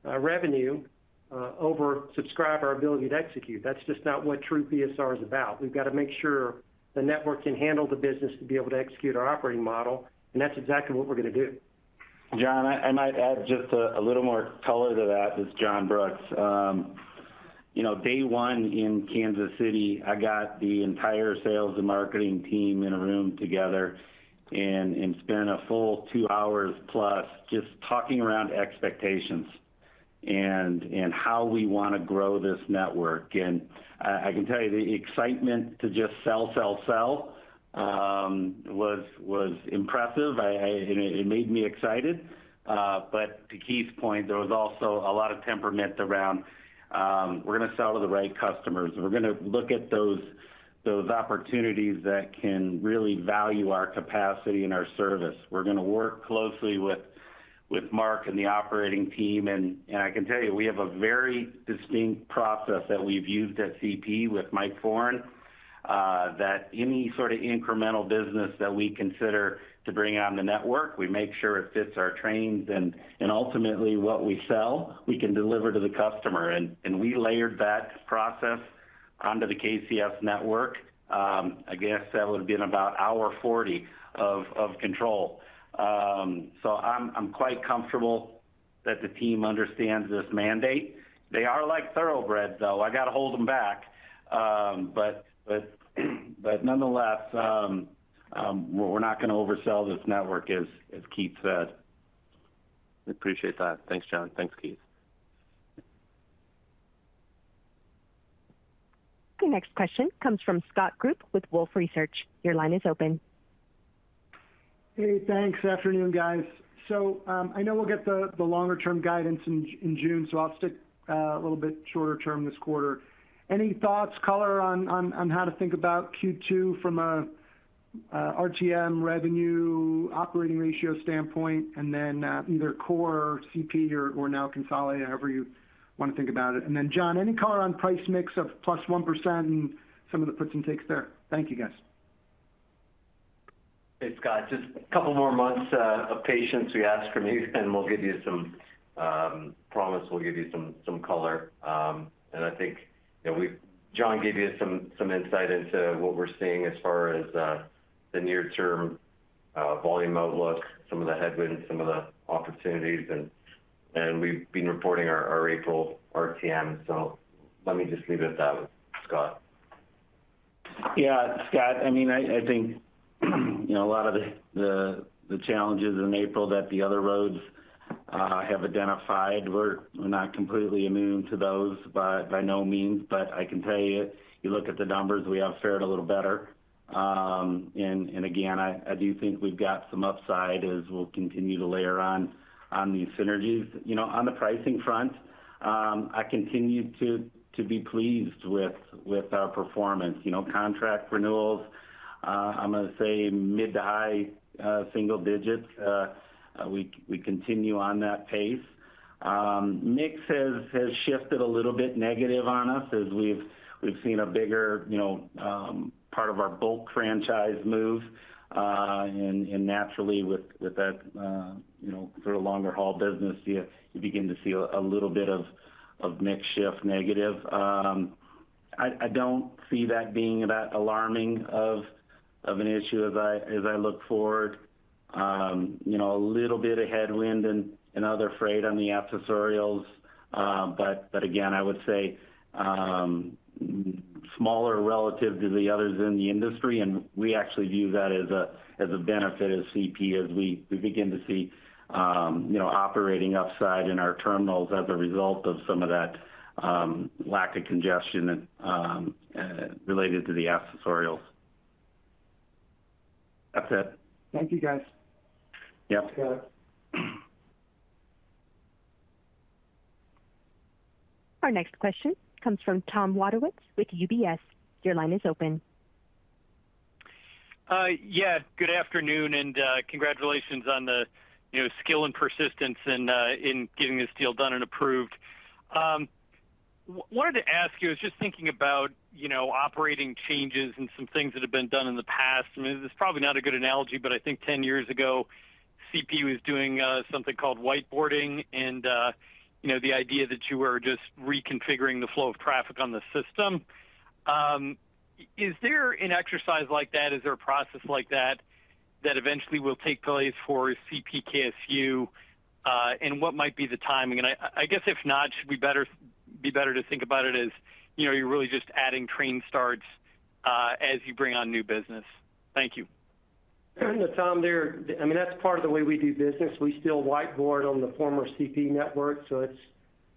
revenue oversubscribe our ability to execute. That's just not what true PSR is about. We've got to make sure the network can handle the business to be able to execute our operating model, and that's exactly what we're gonna do. John, I might add just a little more color to that. This is John Brooks. You know, day one in Kansas City, I got the entire sales and marketing team in a room together and spent a full 2 hours plus just talking around expectations and how we wanna grow this network. I can tell you the excitement to just sell, sell was impressive. It made me excited. But to Keith's point, there was also a lot of temperament around, we're gonna sell to the right customers. We're gonna look at those opportunities that can really value our capacity and our service. We're gonna work closely with Mark and the operating team. I can tell you, we have a very distinct process that we've used at CP with Mike Foran, that any sort of incremental business that we consider to bring on the network, we make sure it fits our trains, and ultimately what we sell, we can deliver to the customer. We layered that process onto the KCS network. I guess that would have been about hour 40 of control. I'm quite comfortable that the team understands this mandate. They are like thoroughbreds, though. I gotta hold them back. Nonetheless, we're not gonna oversell this network as Keith said. Appreciate that. Thanks, John. Thanks, Keith. The next question comes from Scott Group with Wolfe Research. Your line is open. Hey, thanks. Afternoon, guys. I know we'll get the longer term guidance in June, so I'll stick a little bit shorter term this quarter. Any thoughts, color on how to think about Q2 from a RTM revenue operating ratio standpoint? Either core CP or now consolidated, however you wanna think about it. John, any color on price mix of +1% and some of the puts and takes there? Thank you, guys. Hey, Scott. Just a couple more months of patience we ask from you, we'll give you some, promise we'll give you some color. John gave you some insight into what we're seeing as far as the near-term volume outlook, some of the headwinds, some of the opportunities, and we've been reporting our April RTM. Let me just leave it at that one, Scott. Yeah, Scott, I mean, I think, you know, a lot of the challenges in April that the other roads have identified, we're not completely immune to those by no means. I can tell you look at the numbers, we have fared a little better. Again, I do think we've got some upside as we'll continue to layer on these synergies. You know, on the pricing front, I continue to be pleased with our performance. You know, contract renewals, I'm gonna say mid to high single digits. We continue on that pace. Mix has shifted a little bit negative on us as we've seen a bigger, you know, part of our bulk franchise move. Naturally with that, you know, for a longer haul business, you begin to see a little bit of mix shift negative. I don't see that being that alarming of an issue as I look forward. You know, a little bit of headwind and other freight on the accessorials. Again, I would say, smaller relative to the others in the industry, and we actually view that as a benefit as CP as we begin to see, you know, operating upside in our terminals as a result of some of that, lack of congestion, related to the accessorials. That's it. Thank you, guys. Yep. Scott. Our next question comes from Tom Wadewitz with UBS. Your line is open. Yeah, good afternoon, congratulations on the, you know, skill and persistence in getting this deal done and approved. Wanted to ask you. I was just thinking about, you know, operating changes and some things that have been done in the past. I mean, this is probably not a good analogy, but I think 10 years ago, CP was doing something called whiteboarding and, you know, the idea that you were just reconfiguring the flow of traffic on the system. Is there an exercise like that? Is there a process like that eventually will take place for CPKC? What might be the timing? I guess if not, should we be better to think about it as, you know, you're really just adding train starts as you bring on new business. Thank you. Tom, I mean, that's part of the way we do business. We still whiteboard on the former CP network, so it's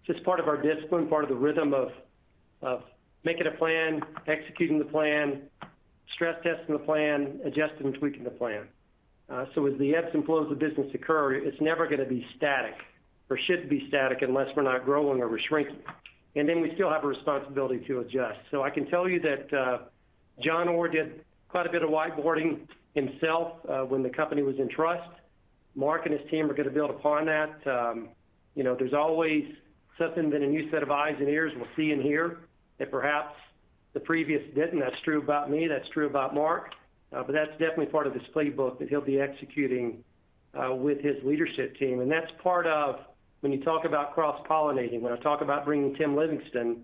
just part of our discipline, part of the rhythm of making a plan, executing the plan, stress testing the plan, adjusting and tweaking the plan. As the ebbs and flows of business occur, it's never gonna be static or should be static unless we're not growing or we're shrinking. Then we still have a responsibility to adjust. I can tell you that John Orr did quite a bit of whiteboarding himself when the company was in trust. Mark and his team are gonna build upon that. You know, there's always something that a new set of eyes and ears will see and hear that perhaps the previous didn't. That's true about me, that's true about Mark. That's definitely part of his playbook that he'll be executing with his leadership team. That's part of when you talk about cross-pollinating, when I talk about bringing Tim Livingston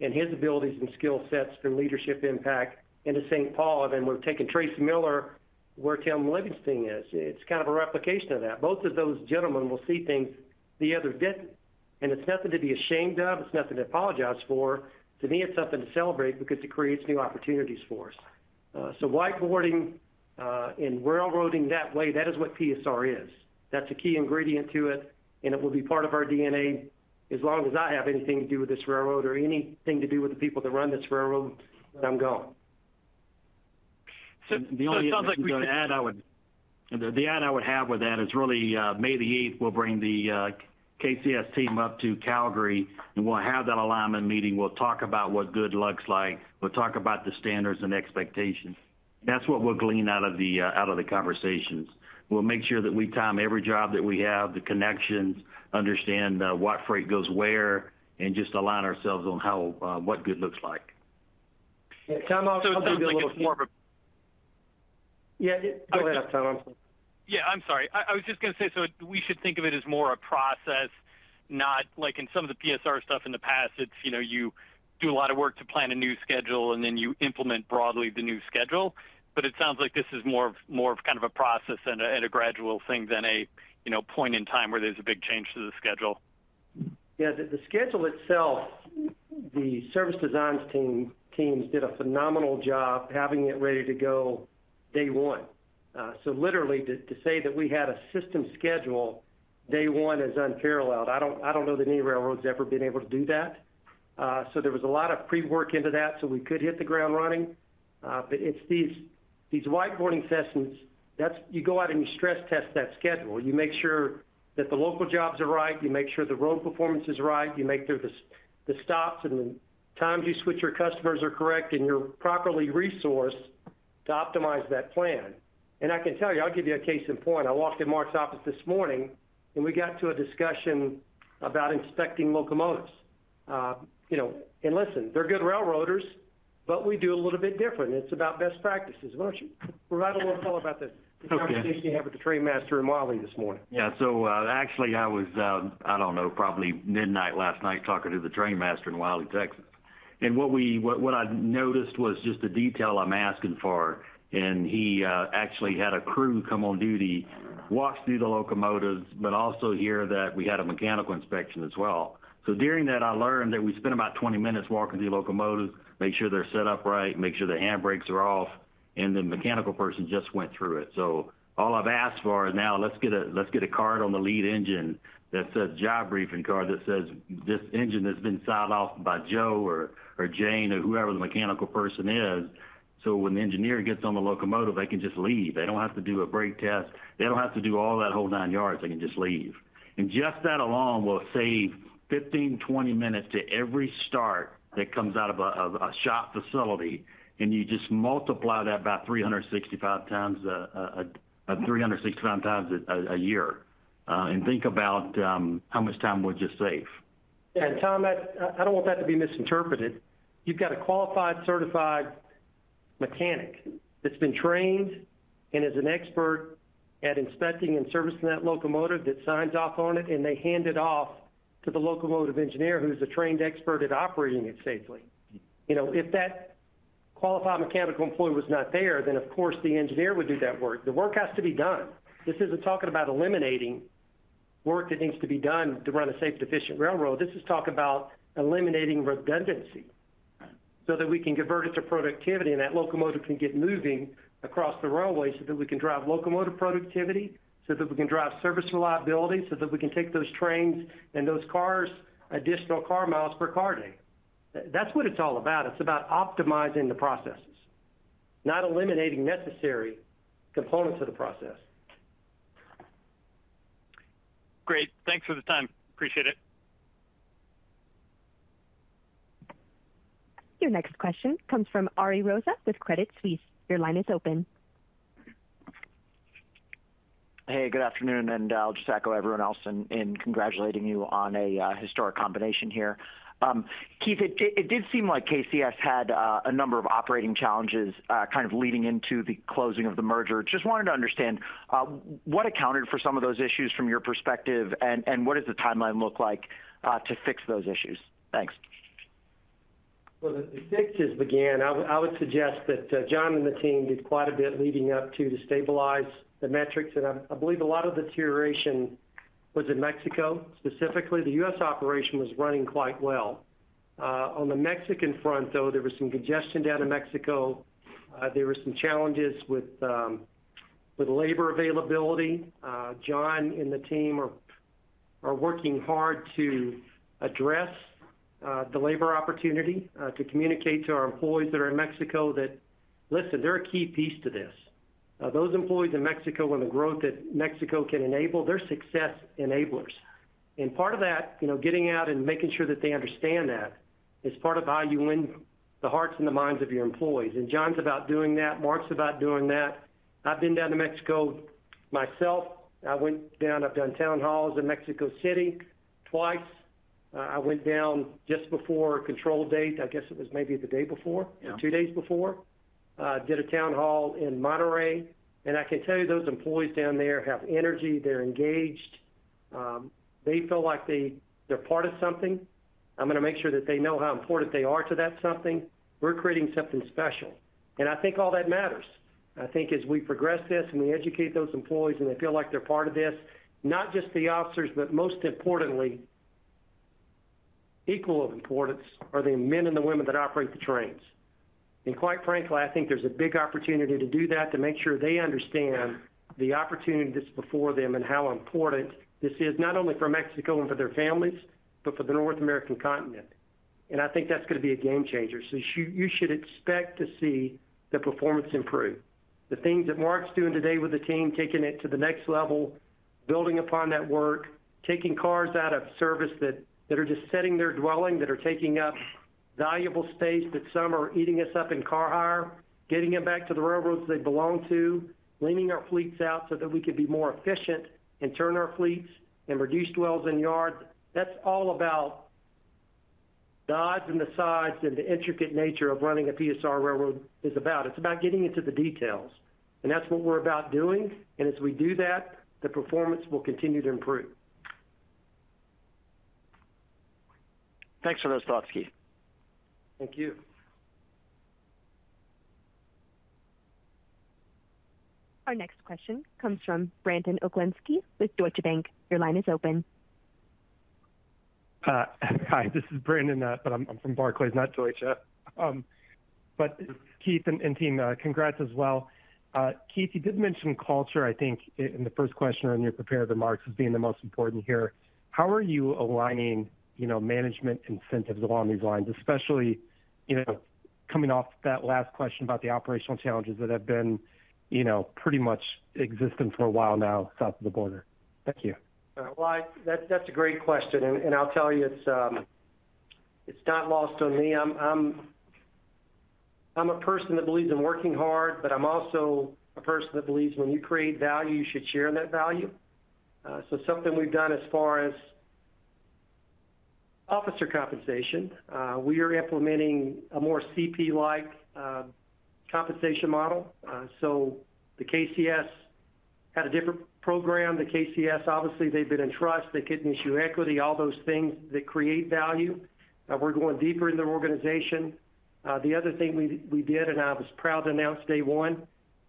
and his abilities and skill sets for leadership impact into St. Paul, then we're taking Tracy Miller where Tim Livingston is. It's kind of a replication of that. Both of those gentlemen will see things the other didn't, and it's nothing to be ashamed of. It's nothing to apologize for. To me, it's something to celebrate because it creates new opportunities for us. Whiteboarding and railroading that way, that is what PSR is. That's a key ingredient to it, and it will be part of our DNA as long as I have anything to do with this railroad or anything to do with the people that run this railroad when I'm gone. it sounds like you- The only thing to add, the add I would have with that is really, May 8th, we'll bring the KCS team up to Calgary, and we'll have that alignment meeting. We'll talk about what good looks like. We'll talk about the standards and expectations. That's what we'll glean out of the conversations. We'll make sure that we time every job that we have, the connections, understand what freight goes where, and just align ourselves on how what good looks like. Yeah, Tom, I'll give you a little- It sounds like it's more of. Yeah. Go ahead, Tom. I'm sorry. Yeah, I'm sorry. I was just gonna say, We should think of it as more a process, not like in some of the PSR stuff in the past, it's, you know, you do a lot of work to plan a new schedule. Then you implement broadly the new schedule. It sounds like this is more of kind of a process and a gradual thing than a, you know, point in time where there's a big change to the schedule. Yeah. The schedule itself, the service designs teams did a phenomenal job having it ready to go day one. Literally to say that we had a system schedule day one is unparalleled. I don't know that any railroad's ever been able to do that. There was a lot of pre-work into that, so we could hit the ground running. It's these whiteboarding sessions you go out and you stress test that schedule. You make sure that the local jobs are right. You make sure the road performance is right. You make sure the stops and the times you switch your customers are correct and you're properly resourced to optimize that plan. I can tell you, I'll give you a case in point. I walked in Mark's office this morning, and we got to a discussion about inspecting locomotives. You know, and listen, they're good railroaders, but we do it a little bit different. It's about best practices. Why don't you write a little call about? Okay. -conversation you have with the train master in Wylie this morning. Yeah. actually, I was, I don't know, probably midnight last night talking to the train master in Wylie, Texas. What I noticed was just the detail I'm asking for, and he actually had a crew come on duty, walks through the locomotives, but also hear that we had a mechanical inspection as well. During that, I learned that we spent about 20 minutes walking through locomotives, make sure they're set up right, make sure the handbrakes are off, and the mechanical person just went through it. All I've asked for is now let's get a card on the lead engine that says job briefing card, that says, "This engine has been signed off by Joe or Jane," or whoever the mechanical person is. When the engineer gets on the locomotive, they can just leave. They don't have to do a brake test. They don't have to do all that whole nine yards. They can just leave. just that alone will save 15, 20 minutes to every start that comes out of a shop facility, and you just multiply that by 365 times a year, and think about how much time we'll just save. Tom, I don't want that to be misinterpreted. You've got a qualified, certified mechanic that's been trained and is an expert at inspecting and servicing that locomotive that signs off on it, and they hand it off to the locomotive engineer who's a trained expert at operating it safely. You know, if that qualified mechanical employee was not there, then of course, the engineer would do that work. The work has to be done. This isn't talking about eliminating work that needs to be done to run a safe, efficient railroad. This is talk about eliminating redundancy so that we can convert it to productivity and that locomotive can get moving across the railway so that we can drive locomotive productivity, so that we can drive service reliability, so that we can take those trains and those cars additional car miles per car day. That's what it's all about. It's about optimizing the processes, not eliminating necessary components of the process. Great. Thanks for the time. Appreciate it. Your next question comes from Ariel Rosa with Credit Suisse. Your line is open. Hey, good afternoon, I'll just echo everyone else in congratulating you on a historic combination here. Keith, it did seem like KCS had a number of operating challenges kind of leading into the closing of the merger. Just wanted to understand what accounted for some of those issues from your perspective and what does the timeline look like to fix those issues? Thanks. Well, the fixes began. I would suggest that John and the team did quite a bit leading up to stabilize the metrics, and I believe a lot of the deterioration was in Mexico, specifically. The U.S. operation was running quite well. On the Mexican front, though, there was some congestion down in Mexico. There were some challenges with labor availability. John and the team are working hard to address the labor opportunity to communicate to our employees that are in Mexico that, listen, they're a key piece to this. Those employees in Mexico and the growth that Mexico can enable, they're success enablers. Part of that, you know, getting out and making sure that they understand that is part of how you win the hearts and the minds of your employees. John's about doing that. Mark's about doing that. I've been down to Mexico myself. I went down. I've done town halls in Mexico City twice. I went down just before control date. I guess it was maybe the day before. Yeah or two days before. Did a town hall in Monterrey. I can tell you, those employees down there have energy. They're engaged. They feel like they're part of something. I'm gonna make sure that they know how important they are to that something. We're creating something special. I think all that matters. I think as we progress this and we educate those employees and they feel like they're part of this, not just the officers, but most importantly, equal of importance are the men and the women that operate the trains. Quite frankly, I think there's a big opportunity to do that, to make sure they understand the opportunity that's before them and how important this is, not only for Mexico and for their families, but for the North American continent. I think that's gonna be a game changer. You should expect to see the performance improve. The things that Mark's doing today with the team, taking it to the next level, building upon that work, taking cars out of service that are just sitting there dwelling, that are taking up valuable space, that some are eating us up in car hire, getting them back to the railroads they belong to, leaning our fleets out so that we can be more efficient and turn our fleets and reduce dwells in yards. That's all about the odds and the sides and the intricate nature of running a PSR railroad is about. It's about getting into the details. That's what we're about doing. As we do that, the performance will continue to improve. Thanks for those thoughts, Keith. Thank you. Our next question comes from Brandon Oglenski with Deutsche Bank. Your line is open. Hi, this is Brandon, I'm from Barclays, not Deutsche. Keith and team, congrats as well. Keith, you did mention culture, I think in the first question when you prepared the marks as being the most important here. How are you aligning, you know, management incentives along these lines, especially, you know, coming off that last question about the operational challenges that have been, you know, pretty much existent for a while now south of the border? Thank you. Well, that's a great question. I'll tell you, it's not lost on me. I'm a person that believes in working hard. I'm also a person that believes when you create value, you should share in that value. Something we've done as far as officer compensation, we are implementing a more CP-like compensation model. The KCS Had a different program. The KCS, obviously, they've been in trust. They couldn't issue equity, all those things that create value. We're going deeper in their organization. The other thing we did, and I was proud to announce day one,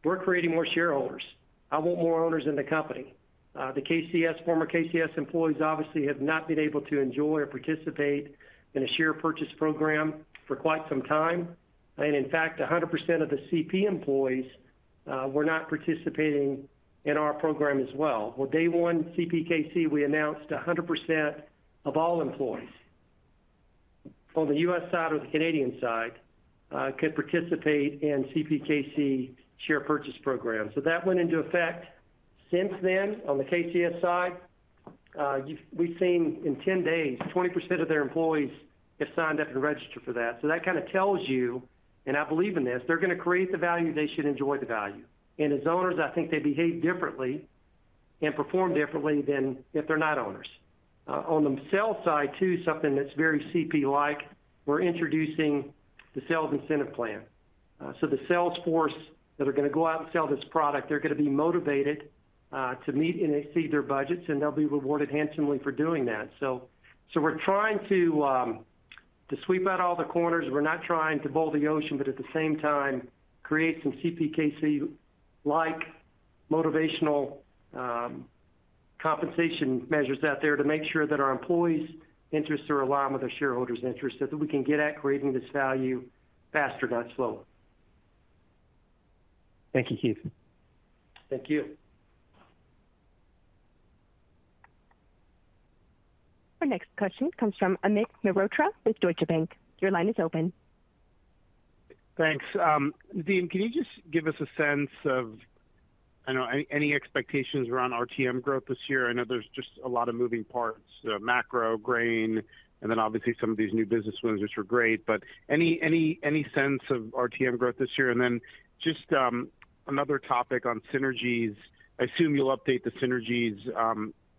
we're creating more shareholders. I want more owners in the company. The KCS former KCS employees obviously have not been able to enjoy or participate in a share purchase program for quite some time. In fact, 100% of the CP employees were not participating in our program as well. Day one, CPKC, we announced 100% of all employees on the U.S. side or the Canadian side could participate in CPKC share purchase program. That went into effect. Since then, on the KCS side, we've seen in 10 days, 20% of their employees have signed up and registered for that. That kind of tells you, and I believe in this, they're gonna create the value, they should enjoy the value. As owners, I think they behave differently and perform differently than if they're not owners. On the sales side too, something that's very CP-like, we're introducing the sales incentive plan. The sales force that are gonna go out and sell this product, they're gonna be motivated to meet and exceed their budgets, and they'll be rewarded handsomely for doing that. We're trying to sweep out all the corners. We're not trying to boil the ocean. At the same time, create some CPKC-like motivational, compensation measures out there to make sure that our employees' interests are aligned with our shareholders' interests. We can get at creating this value faster, not slower. Thank you, Keith. Thank you. Our next question comes from Amit Mehrotra with Deutsche Bank. Your line is open. Thanks. Deem, can you just give us a sense of, I know, any expectations around RTM growth this year? I know there's just a lot of moving parts, macro, grain, obviously some of these new business winners are great. Any sense of RTM growth this year? Just another topic on synergies. I assume you'll update the synergies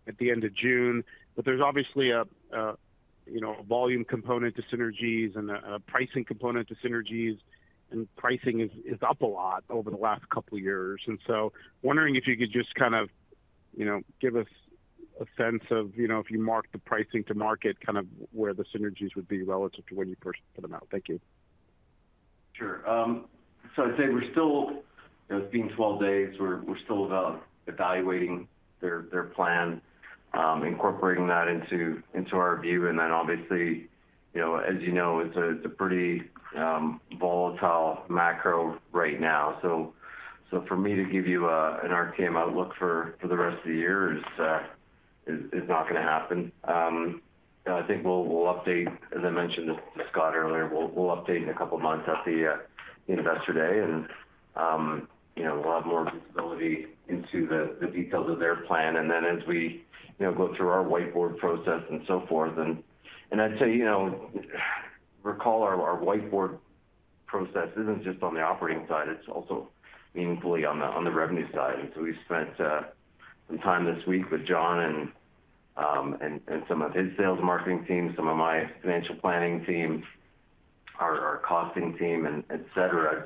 at the end of June. There's obviously a, you know, a volume component to synergies and a pricing component to synergies, and pricing is up a lot over the last couple of years. Wondering if you could just kind of, you know, give us a sense of, you know, if you mark the pricing to market, kind of where the synergies would be relative to when you first put them out. Thank you. Sure. I'd say we're still, you know, it's been 12 days. We're still evaluating their plan, incorporating that into our view. Obviously, you know, as you know, it's a pretty volatile macro right now. For me to give you an RTM outlook for the rest of the year is not gonna happen. I think we'll update, as I mentioned to Scott earlier, we'll update in a couple of months at the Investor Day. You know, we'll have more visibility into the details of their plan. As we, you know, go through our whiteboard process and so forth. I'd say, you know, recall our whiteboard process isn't just on the operating side, it's also meaningfully on the revenue side. We spent some time this week with John and some of his sales marketing team, some of my financial planning team, our costing team, and et cetera,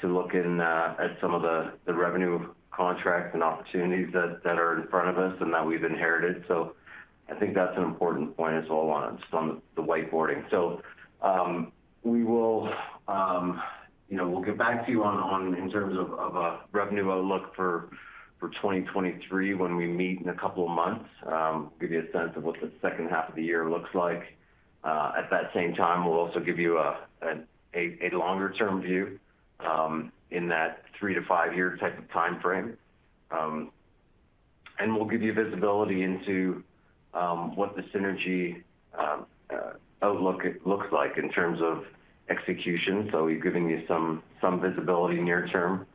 to look in at some of the revenue contracts and opportunities that are in front of us and that we've inherited. I think that's an important point as well on some of the whiteboarding. We will, you know, we'll get back to you in terms of a revenue outlook for 2023 when we meet in a couple of months, give you a sense of what the second half of the year looks like. At that same time, we'll also give you a longer-term view in that three to five-year type of timeframe. We'll give you visibility into what the synergy outlook looks like in terms of execution. We're giving you some visibility near term.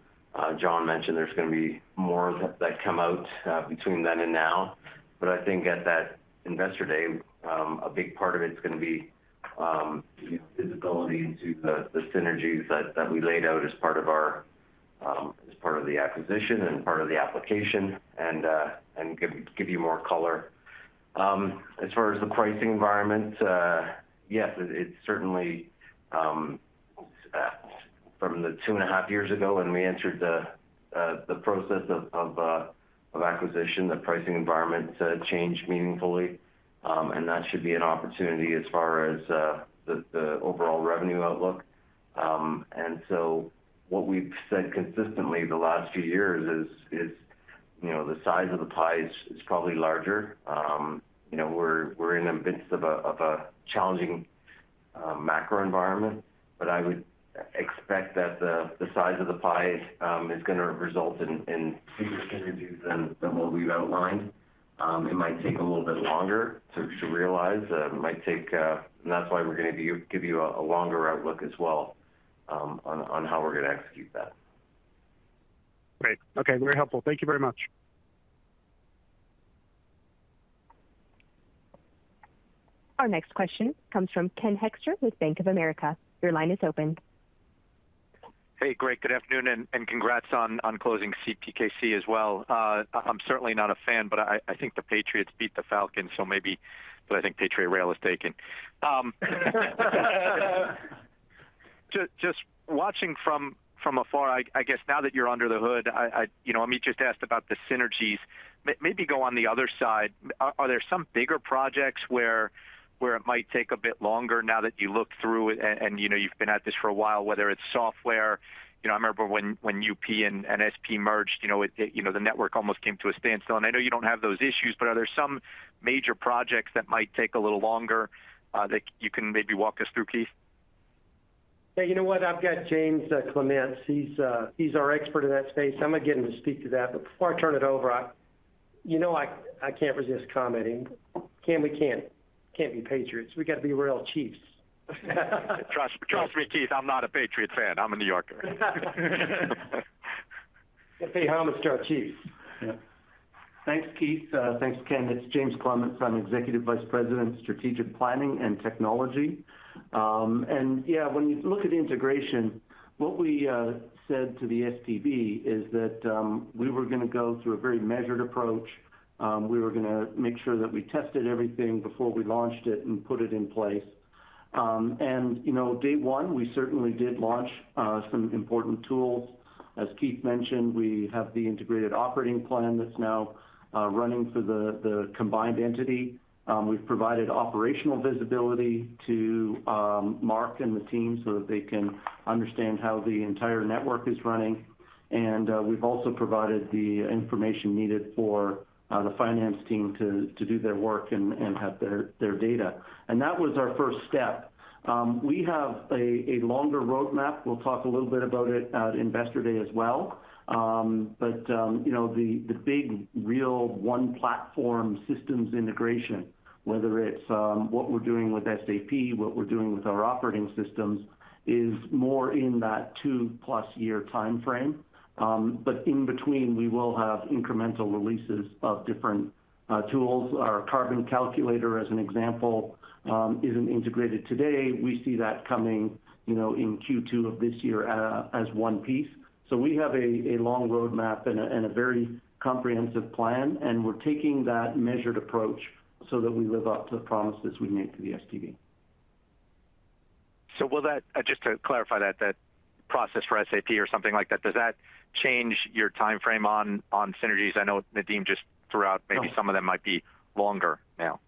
John mentioned there's gonna be more that come out between then and now. I think at that Investor Day, a big part of it's gonna be, you know, visibility into the synergies that we laid out as part of our as part of the acquisition and part of the application, and give you more color. As far as the pricing environment, yes, it's certainly from the 2 and a half years ago when we entered the process of acquisition, the pricing environment's changed meaningfully. That should be an opportunity as far as the overall revenue outlook. What we've said consistently the last few years is, you know, the size of the pie is probably larger. You know, we're in the midst of a challenging macro environment, but I would expect that the size of the pie is gonna result in bigger synergies than what we've outlined. It might take a little bit longer to realize. It might take. That's why we're gonna give you a longer outlook as well, on how we're gonna execute that. Great. Okay. Very helpful. Thank you very much. Our next question comes from Ken Hoexter with Bank of America. Your line is open. Hey, great. Good afternoon, and congrats on closing CPKC as well. I'm certainly not a fan, but I think the Patriots beat the Falcons, so maybe. I think Patriot Rail is taken. Just watching from afar, I, you know, Amit just asked about the synergies. Maybe go on the other side. Are there some bigger projects where it might take a bit longer now that you look through it and, you know, you've been at this for a while, whether it's software. You know, I remember when UP and SP merged, you know, it, you know, the network almost came to a standstill. I know you don't have those issues, but are there some major projects that might take a little longer, that you can maybe walk us through, Keith? Yeah, you know what? I've got James Clements, he's our expert in that space. I'm gonna get him to speak to that. Before I turn it over, you know, I can't resist commenting. Ken, we can't be Patriots. We gotta be rail chiefs. Trust me, Keith, I'm not a Patriots fan. I'm a New Yorker. Let's pay homage to our chiefs. Yeah. Thanks, Keith. Thanks, Ken. It's James Clements. I'm Executive Vice President of Strategic Planning and Technology. Yeah, when you look at integration, what we said to the STB is that we were gonna go through a very measured approach. We were gonna make suKen Hoexter with Bank of Americare that we tested everything before we launched it and put it in place. And, you know, day one, we certainly did launch some important tools. As Keith mentioned, we have the integrated operating plan that's now running for the combined entity. We've provided operational visibility to Mark and the team so that they can understand how the entire network is running. We've also provided the information needed for the finance team to do their work and have their data. That was our first step. We have a longer roadmap. We'll talk a little bit about it at Investor Day as well. The big real one-platform systems integration, whether it's what we're doing with SAP, what we're doing with our operating systems, is more in that 2-plus year timeframe. In between, we will have incremental releases of different tools. Our carbon calculator, as an example, isn't integrated today. We see that coming in Q2 of this year as one piece. We have a long roadmap and a very comprehensive plan, and we're taking that measured approach so that we live up to the promises we made to the STB. Just to clarify that process for SAP or something like that, does that change your timeframe on synergies? I know Nadeem just threw out... No. maybe some of them might be longer now.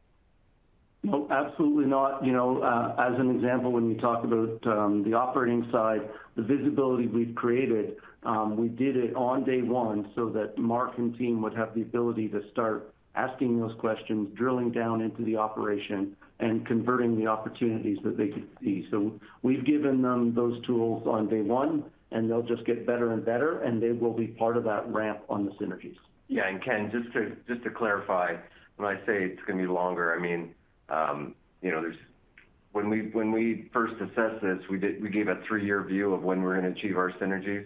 No, absolutely not. You know, as an example, when we talk about, the operating side, the visibility we've created, we did it on day one so that Mark and team would have the ability to start asking those questions, drilling down into the operation, and converting the opportunities that they could see. We've given them those tools on day one, and they'll just get better and better, and they will be part of that ramp on the synergies. Yeah. Ken, just to clarify, when I say it's gonna be longer, I mean, you know, when we first assessed this, we gave a 3-year view of when we're gonna achieve our synergies.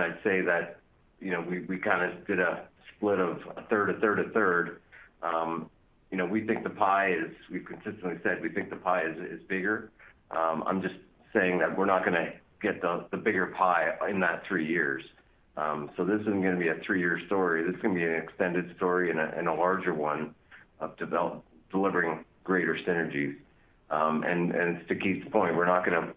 I'd say that, you know, we kinda did a split of a third, a third, a third. You know, We've consistently said we think the pie is bigger. I'm just saying that we're not gonna get the bigger pie in that 3 years. This isn't gonna be a 3-year story. This is gonna be an extended story and a larger one of delivering greater synergies. To Keith's point, we're not gonna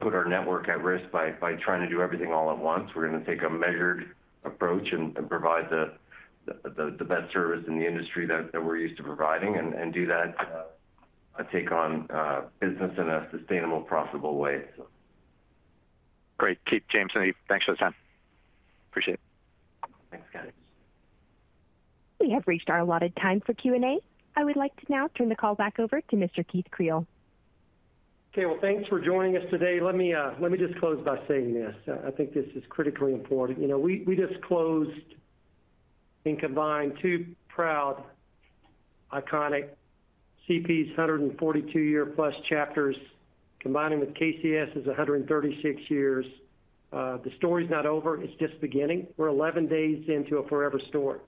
put our network at risk by trying to do everything all at once. We're gonna take a measured approach and provide the best service in the industry that we're used to providing and do that, take on business in a sustainable, profitable way, so. Great. Keith, James, Nadeem, thanks for the time. Appreciate it. Thanks, guys. We have reached our allotted time for Q&A. I would like to now turn the call back over to Mr. Keith Creel. Okay. Well, thanks for joining us today. Let me just close by saying this. I think this is critically important. You know, we just closed and combined two proud, iconic CP's 142-year plus chapters, combining with KCS' 136 years. The story's not over, it's just beginning. We're 11 days into a forever story.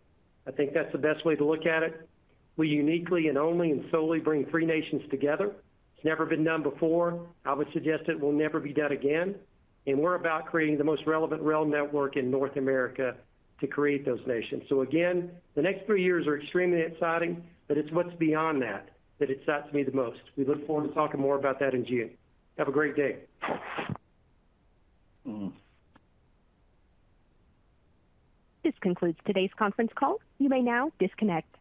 I think that's the best way to look at it. We uniquely and only and solely bring 3 nations together. It's never been done before. I would suggest it will never be done again. We're about creating the most relevant rail network in North America to create those nations. Again, the next 3 years are extremely exciting, but it's what's beyond that that excites me the most. We look forward to talking more about that in June. Have a great day. Mm. This concludes today's conference call. You may now disconnect.